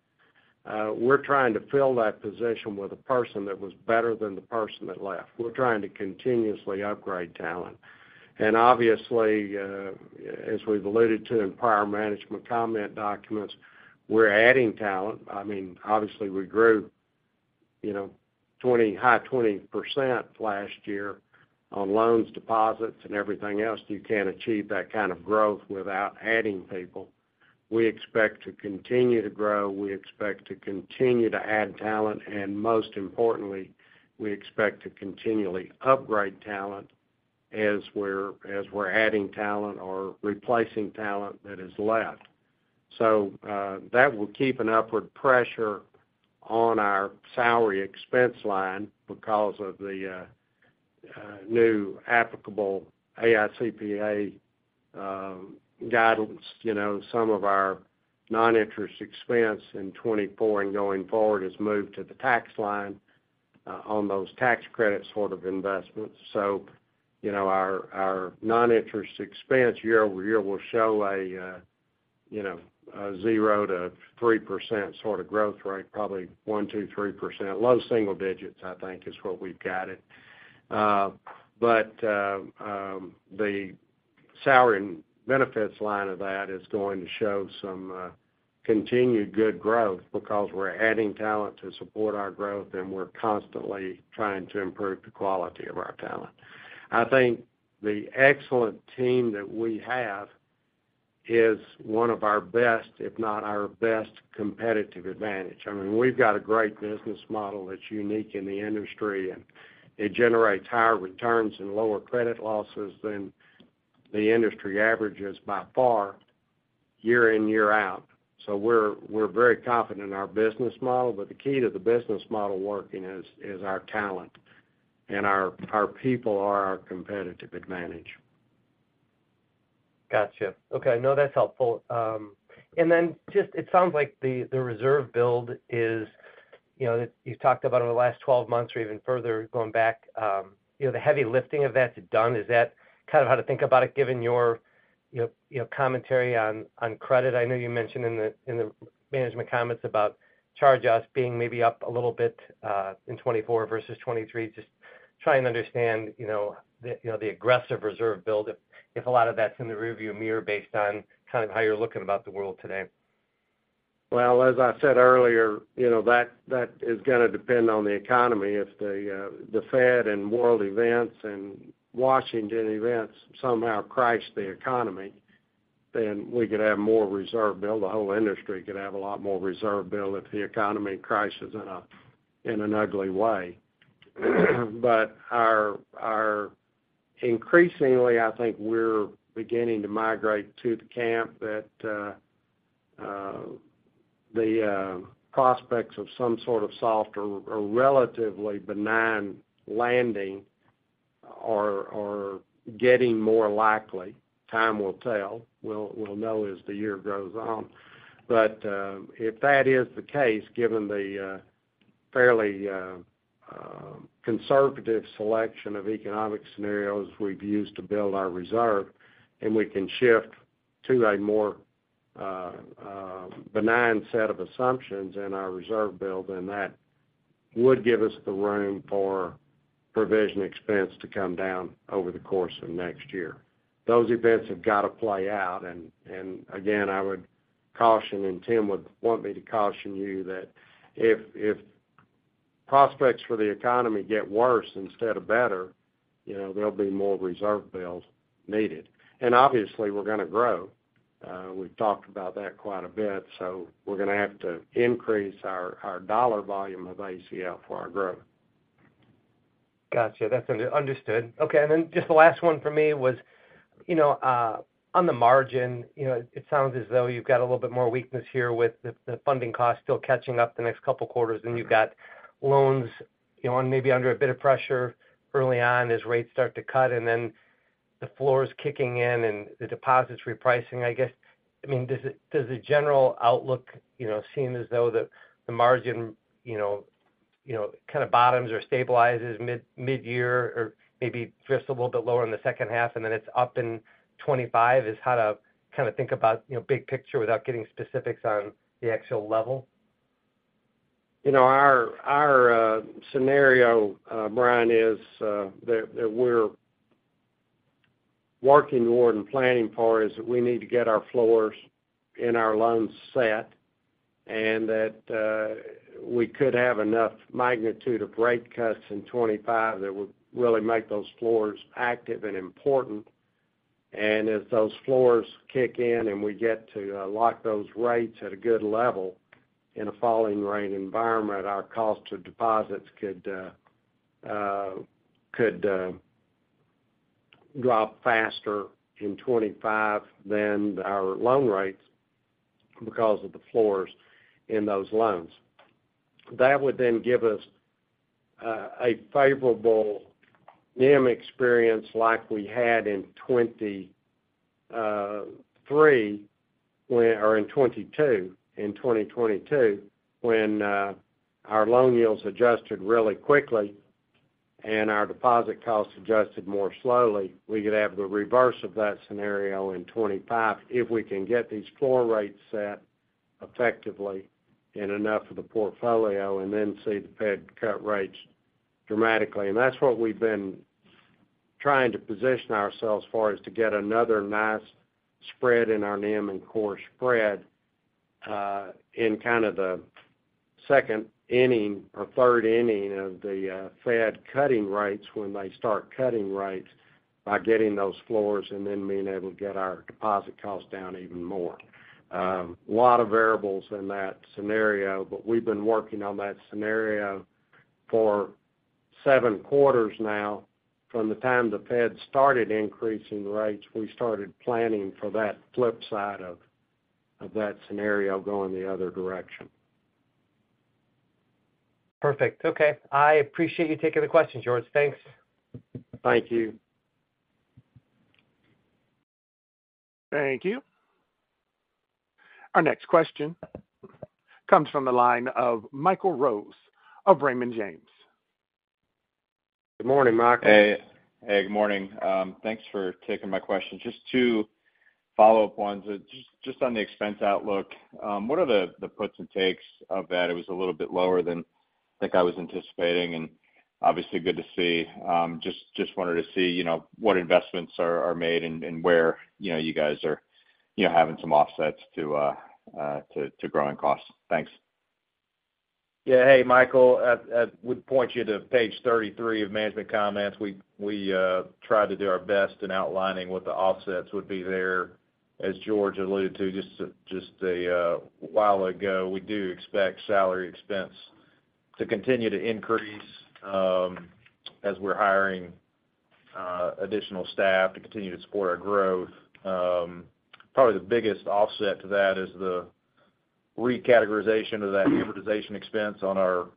we're trying to fill that position with a person that was better than the person that left. We're trying to continuously upgrade talent. And obviously, as we've alluded to in prior management comment documents, we're adding talent. I mean, obviously, we grew, you know, 20, high 20% last year on loans, deposits, and everything else. You can't achieve that kind of growth without adding people. We expect to continue to grow, we expect to continue to add talent, and most importantly, we expect to continually upgrade talent as we're, as we're adding talent or replacing talent that has left. So, that will keep an upward pressure on our salary expense line because of the new applicable AICPA guidance. You know, some of our non-interest expense in 2024 and going forward has moved to the tax line on those tax credit sort of investments. So, you know, our non-interest expense year-over-year will show a 0%-3% sort of growth rate, probably 1%, 2%, 3%. Low single digits, I think, is what we've got it. But, the salary and benefits line of that is going to show some continued good growth because we're adding talent to support our growth, and we're constantly trying to improve the quality of our talent. I think the excellent team that we have is one of our best, if not our best, competitive advantage. I mean, we've got a great business model that's unique in the industry, and it generates higher returns and lower credit losses than the industry averages by far, year in, year out. So we're very confident in our business model, but the key to the business model working is our talent, and our people are our competitive advantage. Gotcha. Okay, no, that's helpful. And then just it sounds like the, the reserve build is, you know, you've talked about over the last 12 months or even further going back, you know, the heavy lifting of that is done. Is that kind of how to think about it, given your, your, your commentary on, on credit? I know you mentioned in the, in the management comments about charge-offs being maybe up a little bit, in 2024 versus 2023. Just trying to understand, you know, the, you know, the aggressive reserve build, if, if a lot of that's in the rearview mirror based on kind of how you're looking about the world today. Well, as I said earlier, you know, that, that is gonna depend on the economy. If the, the Fed and world events and Washington events somehow crash the economy, then we could have more reserve build. The whole industry could have a lot more reserve build if the economy crashes in a, in an ugly way. But increasingly, I think we're beginning to migrate to the camp that the prospects of some sort of soft or relatively benign landing are getting more likely. Time will tell. We'll know as the year goes on. But, if that is the case, given the fairly conservative selection of economic scenarios we've used to build our reserve, and we can shift to a more benign set of assumptions in our reserve build, then that would give us the room for provision expense to come down over the course of next year. Those events have got to play out, and again, I would caution, and Tim would want me to caution you, that if prospects for the economy get worse instead of better, you know, there'll be more reserve builds needed. And obviously, we're gonna grow. We've talked about that quite a bit, so we're gonna have to increase our dollar volume of ACL for our growth. Gotcha. That's understood. Okay, and then just the last one for me was, you know, on the margin, you know, it sounds as though you've got a little bit more weakness here with the, the funding costs still catching up the next couple quarters, and you've got loans, you know, maybe under a bit of pressure early on as rates start to cut, and then the floor is kicking in and the deposits repricing. I guess, I mean, does it, does the general outlook, you know, seem as though the, the margin, you know, kind of bottoms or stabilizes mid-year or maybe just a little bit lower in the second half, and then it's up in 2025, is how to kind of think about, you know, big picture without getting specifics on the actual level? You know, our scenario, Brian, is that we're working toward and planning for is that we need to get our floors and our loans set, and that we could have enough magnitude of rate cuts in 2025 that would really make those floors active and important. And as those floors kick in, and we get to lock those rates at a good level in a falling rate environment, our cost to deposits could drop faster in 2025 than our loan rates because of the floors in those loans. That would then give us a favorable NIM experience like we had in 2023 or in 2022, when our loan yields adjusted really quickly and our deposit costs adjusted more slowly. We could have the reverse of that scenario in 2025 if we can get these floor rates set effectively in enough of the portfolio and then see the Fed cut rates dramatically. And that's what we've been trying to position ourselves for, is to get another nice spread in our NIM and core spread, in kind of the second inning or third inning of the Fed cutting rates when they start cutting rates, by getting those floors and then being able to get our deposit costs down even more. A lot of variables in that scenario, but we've been working on that scenario for seven quarters now. From the time the Fed started increasing rates, we started planning for that flip side of that scenario going the other direction. Perfect. Okay. I appreciate you taking the question, George. Thanks. Thank you. Thank you. Our next question comes from the line of Michael Rose of Raymond James. Good morning, Michael. Hey. Hey, good morning. Thanks for taking my question. Just two follow-up ones. Just on the expense outlook, what are the puts and takes of that? It was a little bit lower than I think I was anticipating, and obviously good to see. Just wanted to see, you know, what investments are made and where, you know, you guys are having some offsets to growing costs. Thanks. Yeah. Hey, Michael, I would point you to page 33 of management comments. We tried to do our best in outlining what the offsets would be there. As George alluded to, just a while ago, we do expect salary expense to continue to increase as we're hiring additional staff to continue to support our growth. Probably the biggest offset to that is the recategorization of that amortization expense on our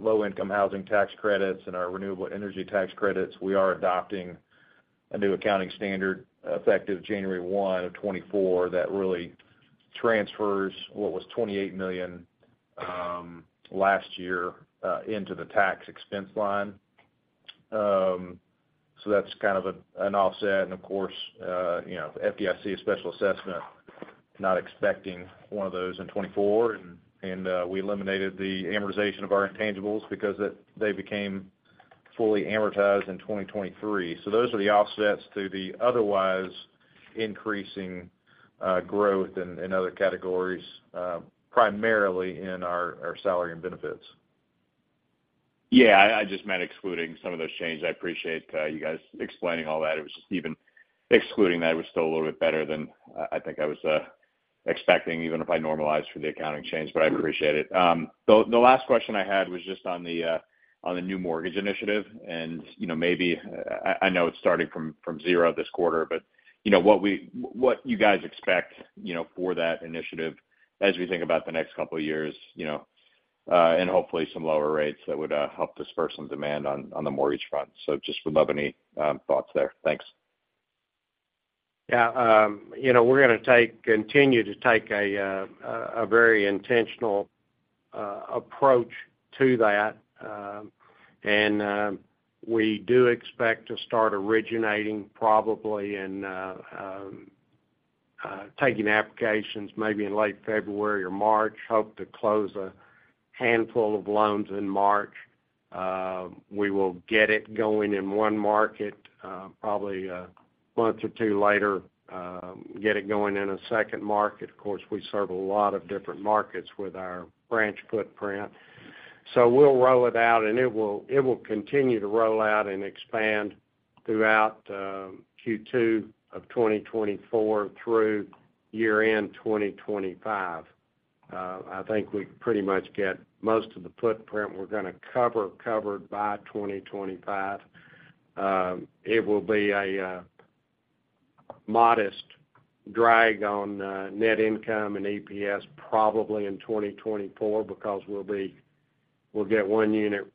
low-income housing tax credits and our renewable energy tax credits. We are adopting a new accounting standard, effective January 1, 2024, that really transfers what was $28 million last year into the tax expense line. So that's kind of an offset. And of course, you know, FDIC special assessment, not expecting one of those in 2024, and, and, we eliminated the amortization of our intangibles because they, they became fully amortized in 2023. So those are the offsets to the otherwise increasing, growth in, in other categories, primarily in our, our salary and benefits. Yeah, I just meant excluding some of those changes. I appreciate you guys explaining all that. It was just even excluding that, it was still a little bit better than I think I was expecting, even if I normalized for the accounting change, but I appreciate it. The last question I had was just on the new mortgage initiative, and you know, maybe I know it's starting from zero this quarter, but you know, what you guys expect you know, for that initiative as we think about the next couple of years, you know, and hopefully some lower rates that would help disperse some demand on the mortgage front. So just would love any thoughts there. Thanks. Yeah, you know, we're gonna continue to take a very intentional approach to that. We do expect to start originating probably in taking applications maybe in late February or March. Hope to close a handful of loans in March. We will get it going in one market, probably a month or two later, get it going in a second market. Of course, we serve a lot of different markets with our branch footprint. So we'll roll it out, and it will continue to roll out and expand throughout Q2 of 2024 through year-end 2025. I think we pretty much get most of the footprint we're gonna cover, covered by 2025. It will be a modest drag on net income and EPS probably in 2024 because we'll get one unit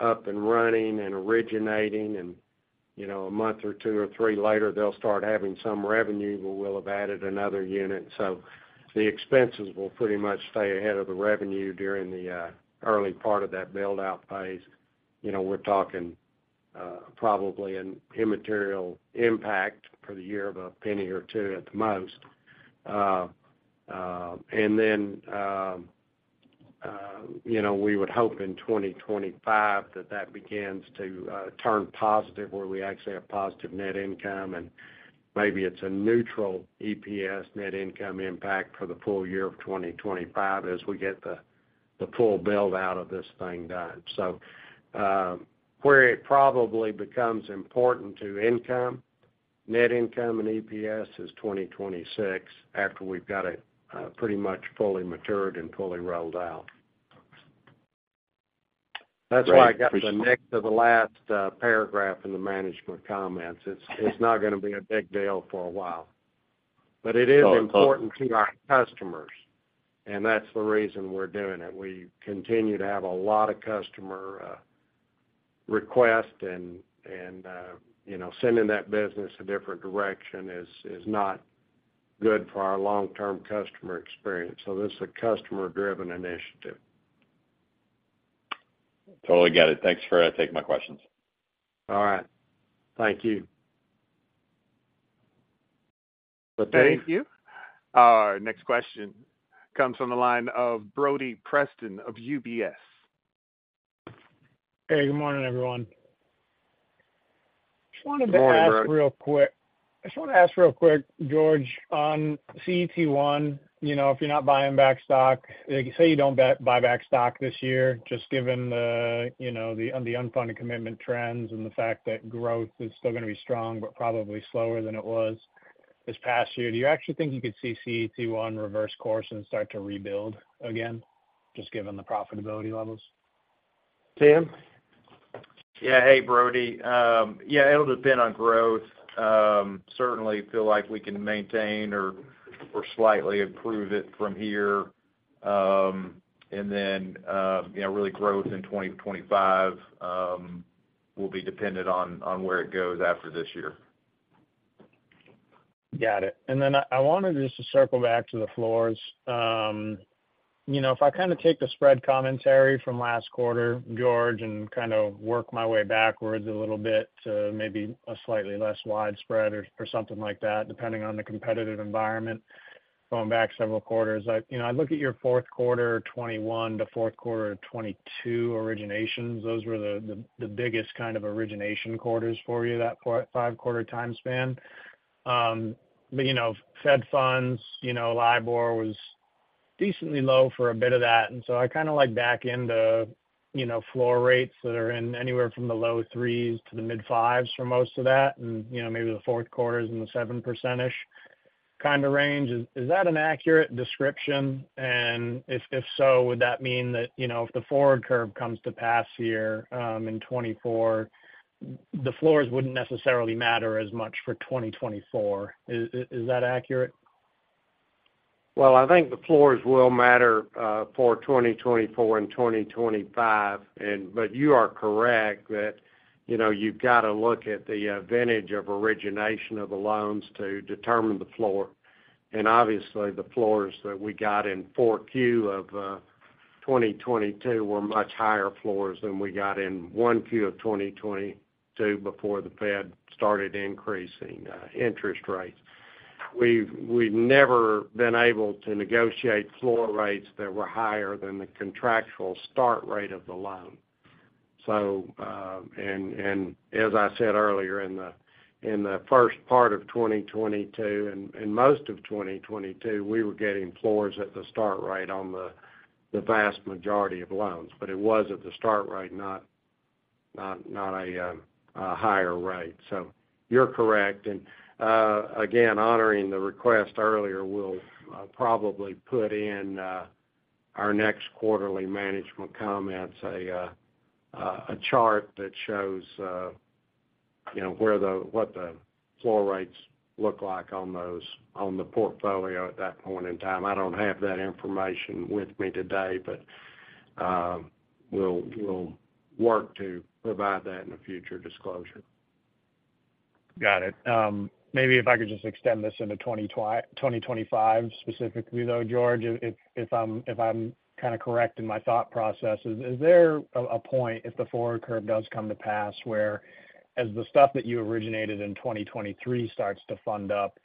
up and running and originating. You know, a month or two or three later, they'll start having some revenue, but we'll have added another unit. So the expenses will pretty much stay ahead of the revenue during the early part of that build-out phase. You know, we're talking probably an immaterial impact for the year of a penny or two at the most. And then, you know, we would hope in 2025 that that begins to turn positive, where we actually have positive net income, and maybe it's a neutral EPS net income impact for the full year of 2025 as we get the full build-out of this thing done. So, where it probably becomes important to income, net income, and EPS is 2026, after we've got it pretty much fully matured and fully rolled out. That's why I got the next to the last paragraph in the management comments. It's, it's not going to be a big deal for a while. But it is important to our customers, and that's the reason we're doing it. We continue to have a lot of customer request and, you know, sending that business a different direction is, is not good for our long-term customer experience. So this is a customer-driven initiative. Totally get it. Thanks for taking my questions. All right. Thank you. Thank you. Our next question comes from the line of Brody Preston of UBS. Hey, good morning, everyone. Good morning, Brody. I just want to ask real quick, George, on CET1, you know, if you're not buying back stock, say you don't buy back stock this year, just given the, you know, the unfunded commitment trends and the fact that growth is still going to be strong, but probably slower than it was this past year, do you actually think you could see CET1 reverse course and start to rebuild again, just given the profitability levels? Tim? Yeah. Hey, Brody. Yeah, it'll depend on growth. Certainly feel like we can maintain or slightly improve it from here. And then, you know, really growth in 2025 will be dependent on where it goes after this year. Got it. And then I wanted just to circle back to the floors. You know, if I kind of take the spread commentary from last quarter, George, and kind of work my way backwards a little bit to maybe a slightly less widespread or something like that, depending on the competitive environment, going back several quarters. You know, I look at your fourth quarter 2021 to fourth quarter of 2022 originations. Those were the biggest kind of origination quarters for you, that four, five-quarter time span. But, you know, Fed funds, you know, LIBOR was decently low for a bit of that, and so I kind of like back into, you know, floor rates that are in anywhere from the low 3s to the mid-5s for most of that, and, you know, maybe the fourth quarter is in the 7% kind of range. Is that an accurate description? And if so, would that mean that, you know, if the forward curve comes to pass here, in 2024, the floors wouldn't necessarily matter as much for 2024. Is that accurate? Well, I think the floors will matter for 2024 and 2025. But you are correct that, you know, you've got to look at the vintage of origination of the loans to determine the floor. And obviously, the floors that we got in 4Q of 2022 were much higher floors than we got in 1Q of 2022 before the Fed started increasing interest rates. We've never been able to negotiate floor rates that were higher than the contractual start rate of the loan. So, as I said earlier, in the first part of 2022 and most of 2022, we were getting floors at the start rate on the vast majority of loans, but it was at the start rate, not a higher rate. So you're correct. Again, honoring the request earlier, we'll probably put in our next quarterly management comments, a chart that shows, you know, where the, what the floor rates look like on those, on the portfolio at that point in time. I don't have that information with me today, but we'll work to provide that in a future disclosure. Got it. Maybe if I could just extend this into 2025 specifically, though, George, if I'm kind of correct in my thought process, is there a point, if the forward curve does come to pass, whereas the stuff that you originated in 2023 starts to fund up,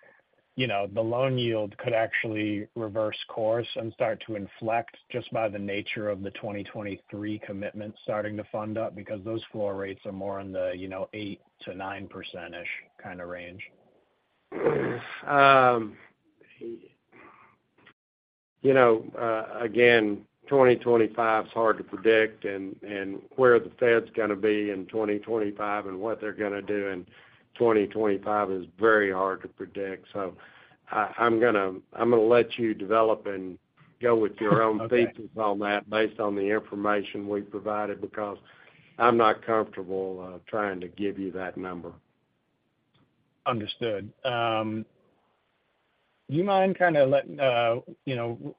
you know, the loan yield could actually reverse course and start to inflect just by the nature of the 2023 commitments starting to fund up? Because those floor rates are more in the, you know, 8%-9% kind of range. You know, again, 2025 is hard to predict, and, and where the Fed's going to be in 2025 and what they're going to do in 2025 is very hard to predict. So I, I'm gonna, I'm gonna let you develop and go with your own thesis on that based on the information we've provided, because I'm not comfortable trying to give you that number. ... Understood. Do you mind kind of let, you know,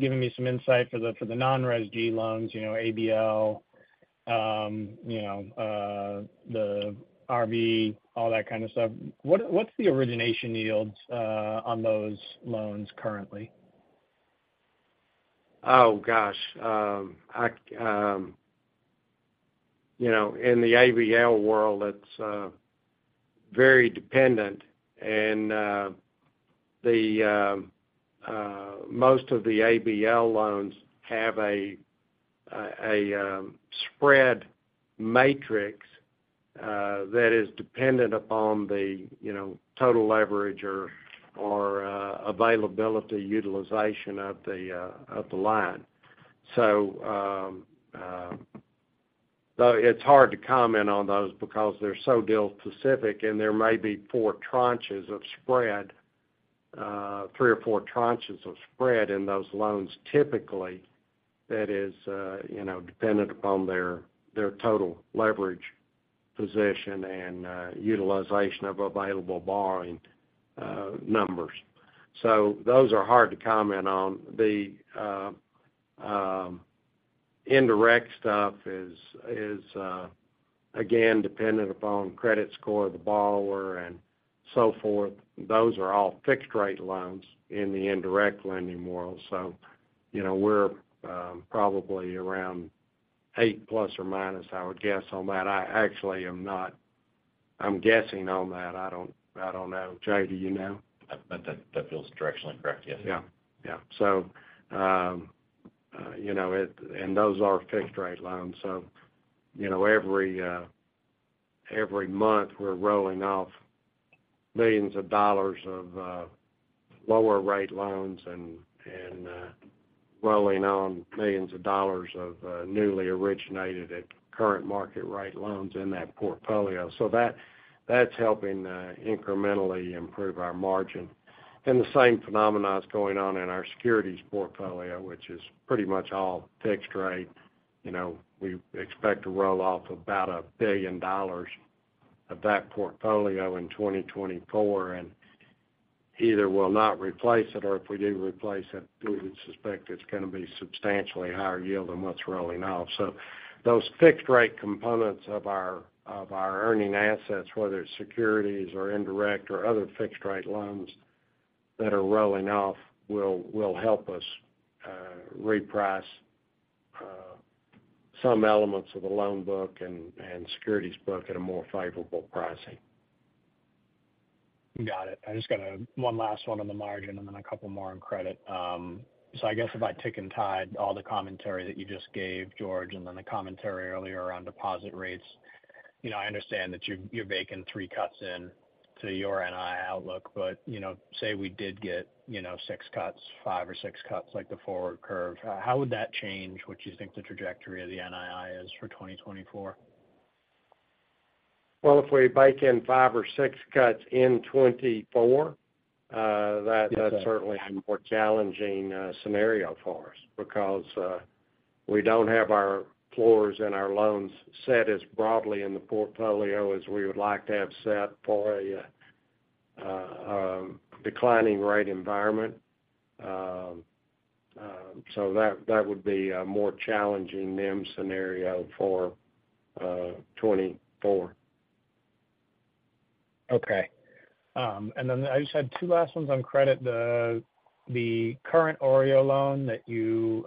giving me some insight for the, for the non-RESG loans, you know, ABL, you know, the RV, all that kind of stuff. What's the origination yields on those loans currently? Oh, gosh. You know, in the ABL world, it's very dependent, and the most of the ABL loans have a spread matrix that is dependent upon the, you know, total leverage or availability, utilization of the line. So it's hard to comment on those because they're so deal specific, and there may be four tranches of spread, three or four tranches of spread in those loans, typically, that is, you know, dependent upon their total leverage position and utilization of available borrowing numbers. So those are hard to comment on. The indirect stuff is again dependent upon credit score of the borrower and so forth. Those are all fixed rate loans in the indirect lending world. So, you know, we're probably around 8±, I would guess, on that. Actually, I'm guessing on that. I don't, I don't know. Jay, do you know? That feels directionally correct, yes. Yeah. Yeah. So, you know, and those are fixed rate loans. So, you know, every month, we're rolling off millions of dollars of lower rate loans and rolling on millions of dollars of newly originated at current market rate loans in that portfolio. So that, that's helping incrementally improve our margin. And the same phenomenon is going on in our securities portfolio, which is pretty much all fixed rate. You know, we expect to roll off about $1 billion of that portfolio in 2024, and either we'll not replace it, or if we do replace it, we would suspect it's going to be substantially higher yield than what's rolling off. So those fixed rate components of our earning assets, whether it's securities or indirect or other fixed rate loans that are rolling off, will help us reprice some elements of the loan book and securities book at a more favorable pricing. Got it. I just got one last one on the margin and then a couple more on credit. So I guess if I tick and tied all the commentary that you just gave, George, and then the commentary earlier around deposit rates, you know, I understand that you, you're baking three cuts in to your NII outlook. But, you know, say we did get, you know, six cuts, five or six cuts, like the forward curve, how would that change what you think the trajectory of the NII is for 2024? Well, if we bake in five or six cuts in 2024, Yes, sir. -that, that's certainly a more challenging scenario for us because we don't have our floors and our loans set as broadly in the portfolio as we would like to have set for a declining rate environment. So that would be a more challenging NIM scenario for 2024. Okay. And then I just had two last ones on credit. The current OREO loan that you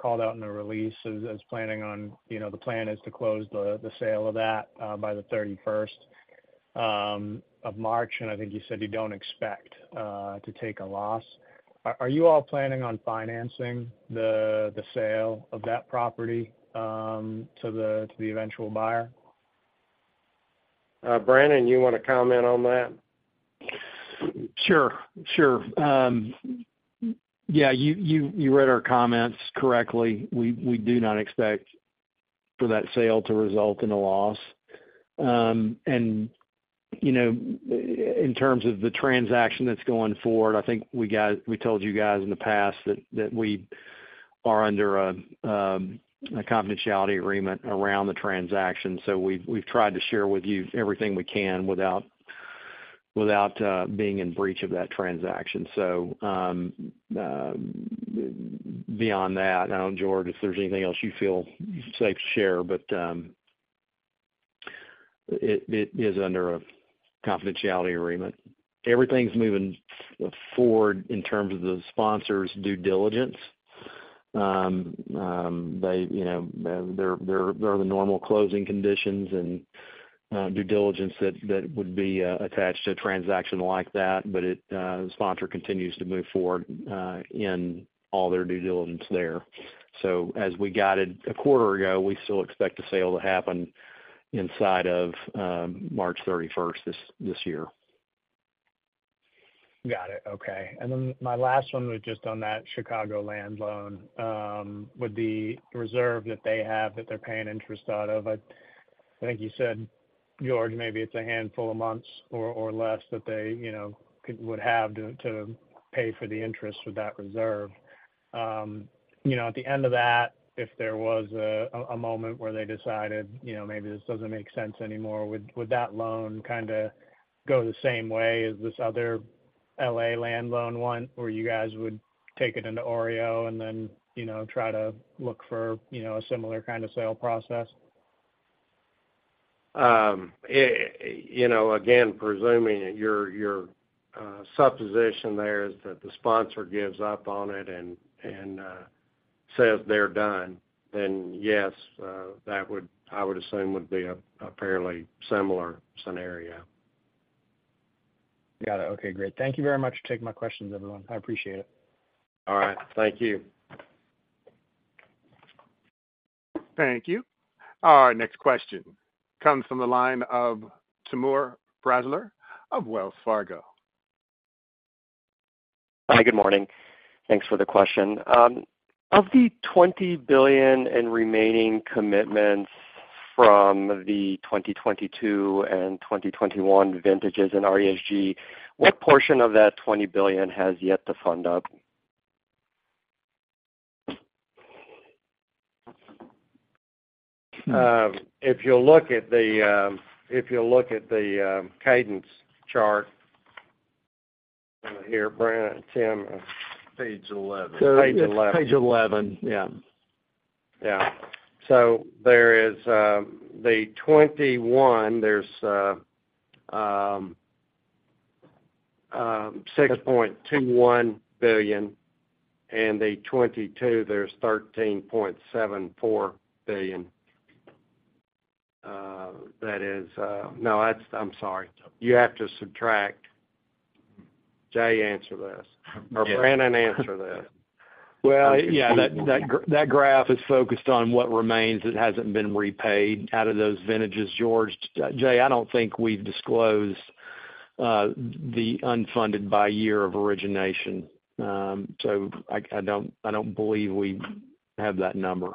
called out in the release as planning on, you know, the plan is to close the sale of that by the thirty-first of March, and I think you said you don't expect to take a loss. Are you all planning on financing the sale of that property to the eventual buyer? Brannon, you want to comment on that? Sure, sure. Yeah, you read our comments correctly. We do not expect for that sale to result in a loss. And, you know, in terms of the transaction that's going forward, I think we told you guys in the past that we are under a confidentiality agreement around the transaction. So we've tried to share with you everything we can without being in breach of that transaction. So, beyond that, I don't know, George, if there's anything else you feel safe to share, but it is under a confidentiality agreement. Everything's moving forward in terms of the sponsors' due diligence. They, you know, there are the normal closing conditions and due diligence that would be attached to a transaction like that. But it, the sponsor continues to move forward in all their due diligence there. So as we guided a quarter ago, we still expect the sale to happen inside of March thirty-first, this year. Got it. Okay. And then my last one was just on that Chicagoland loan. With the reserve that they have, that they're paying interest out of, I think you said, George, maybe it's a handful of months or less that they, you know, would have to pay for the interest for that reserve. You know, at the end of that, if there was a moment where they decided, you know, maybe this doesn't make sense anymore, would that loan kind of go the same way as this other L.A. land loan one, where you guys would take it into OREO and then, you know, try to look for, you know, a similar kind of sale process? You know, again, presuming that your supposition there is that the sponsor gives up on it and says they're done, then yes, that would—I would assume would be a fairly similar scenario. Got it. Okay, great. Thank you very much for taking my questions, everyone. I appreciate it. All right. Thank you. Thank you. Our next question comes from the line of Timur Braziler of Wells Fargo. Hi, good morning. Thanks for the question. Of the $20 billion in remaining commitments from the 2022 and 2021 vintages in RESG, what portion of that $20 billion has yet to fund up? If you'll look at the cadence chart here, Brent, Tim? Page 11. Page 11. Page 11, yeah. Yeah. So there is the 2021, there's $6.21 billion, and the 2022, there's $13.74 billion. That is. No, that's. I'm sorry. You have to subtract. Jay, answer this, or Brannon, answer this. Well, yeah, that graph is focused on what remains that hasn't been repaid out of those vintages, George. Jay, I don't think we've disclosed the unfunded by year of origination. So I don't believe we have that number.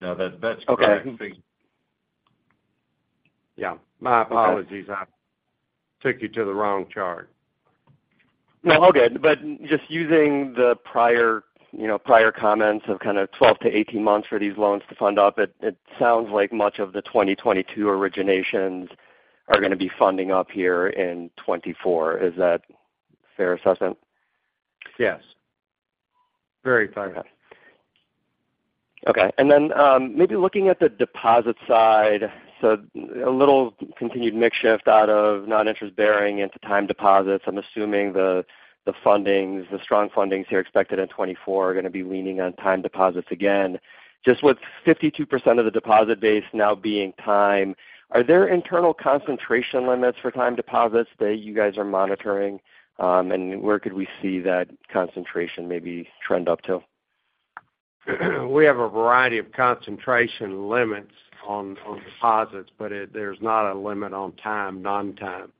No, that's- Okay. Yeah. My apologies. Okay. I took you to the wrong chart. No, all good. But just using the prior, you know, prior comments of kind of 12-18 months for these loans to fund up, it sounds like much of the 2022 originations are gonna be funding up here in 2024. Is that fair assessment? Yes. Very fair. Okay. And then, maybe looking at the deposit side, so a little continued mix shift out of non-interest bearing into time deposits. I'm assuming the fundings, the strong fundings here expected in 2024 are gonna be leaning on time deposits again. Just with 52% of the deposit base now being time, are there internal concentration limits for time deposits that you guys are monitoring? And where could we see that concentration maybe trend up to? We have a variety of concentration limits on deposits, but there's not a limit on time, non-time.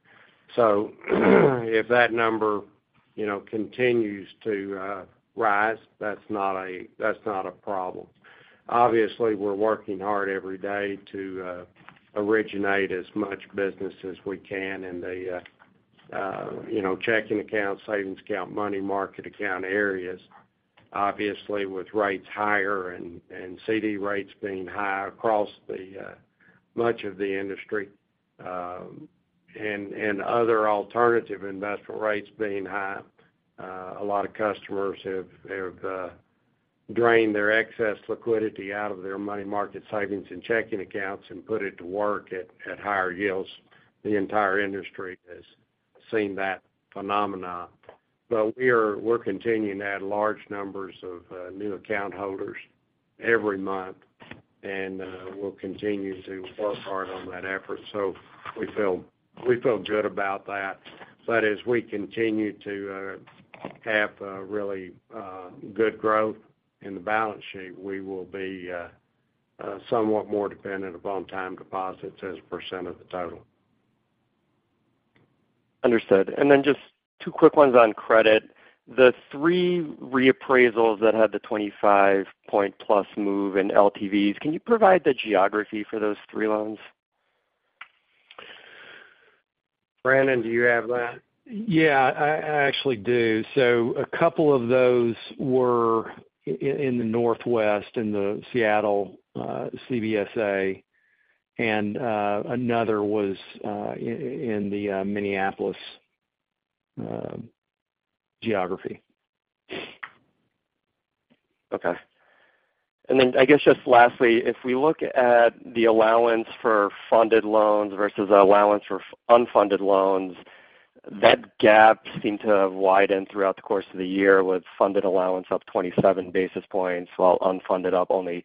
So, if that number, you know, continues to rise, that's not a problem. Obviously, we're working hard every day to originate as much business as we can in the, you know, checking accounts, savings account, money market account areas. Obviously, with rates higher and CD rates being higher across the much of the industry, and other alternative investment rates being high, a lot of customers have drained their excess liquidity out of their money market savings and checking accounts and put it to work at higher yields. The entire industry has seen that phenomena. But we're continuing to add large numbers of new account holders every month, and we'll continue to work hard on that effort. So we feel good about that. But as we continue to have really good growth in the balance sheet, we will be somewhat more dependent upon time deposits as a percent of the total. Understood. And then just two quick ones on credit. The three reappraisals that had the 25-point+ move in LTVs, can you provide the geography for those three loans? Brannon, do you have that? Yeah, I actually do. So a couple of those were in the Northwest, in the Seattle CBSA, and another was in the Minneapolis geography. Okay. And then, I guess, just lastly, if we look at the allowance for funded loans versus allowance for unfunded loans, that gap seemed to have widened throughout the course of the year, with funded allowance up 27 basis points, while unfunded up only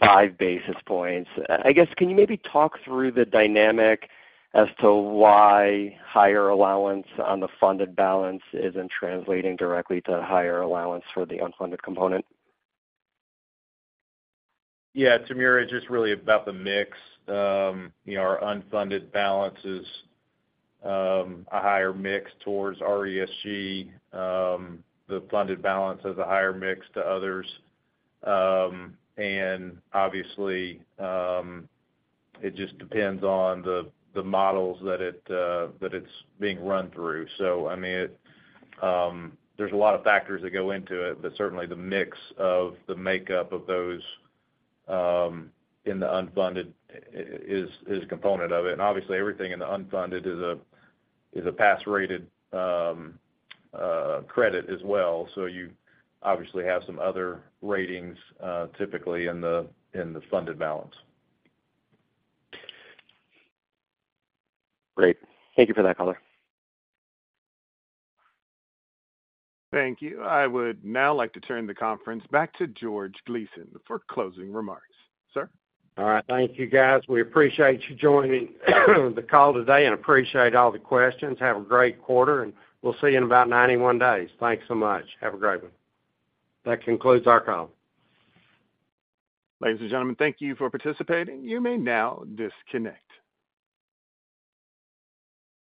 5 basis points. I guess, can you maybe talk through the dynamic as to why higher allowance on the funded balance isn't translating directly to higher allowance for the unfunded component? Yeah, Timur, it's just really about the mix. You know, our unfunded balance is a higher mix towards RESG. The funded balance is a higher mix to others. And obviously, it just depends on the models that it's being run through. So I mean, there's a lot of factors that go into it, but certainly, the mix of the makeup of those in the unfunded is a component of it. And obviously, everything in the unfunded is a pass-rated credit as well. So you obviously have some other ratings typically in the funded balance. Great. Thank you for that color. Thank you. I would now like to turn the conference back to George Gleason for closing remarks. Sir? All right. Thank you, guys. We appreciate you joining the call today and appreciate all the questions. Have a great quarter, and we'll see you in about 91 days. Thanks so much. Have a great one. That concludes our call. Ladies. and gentlemen, thank you for participating. You may now disconnect.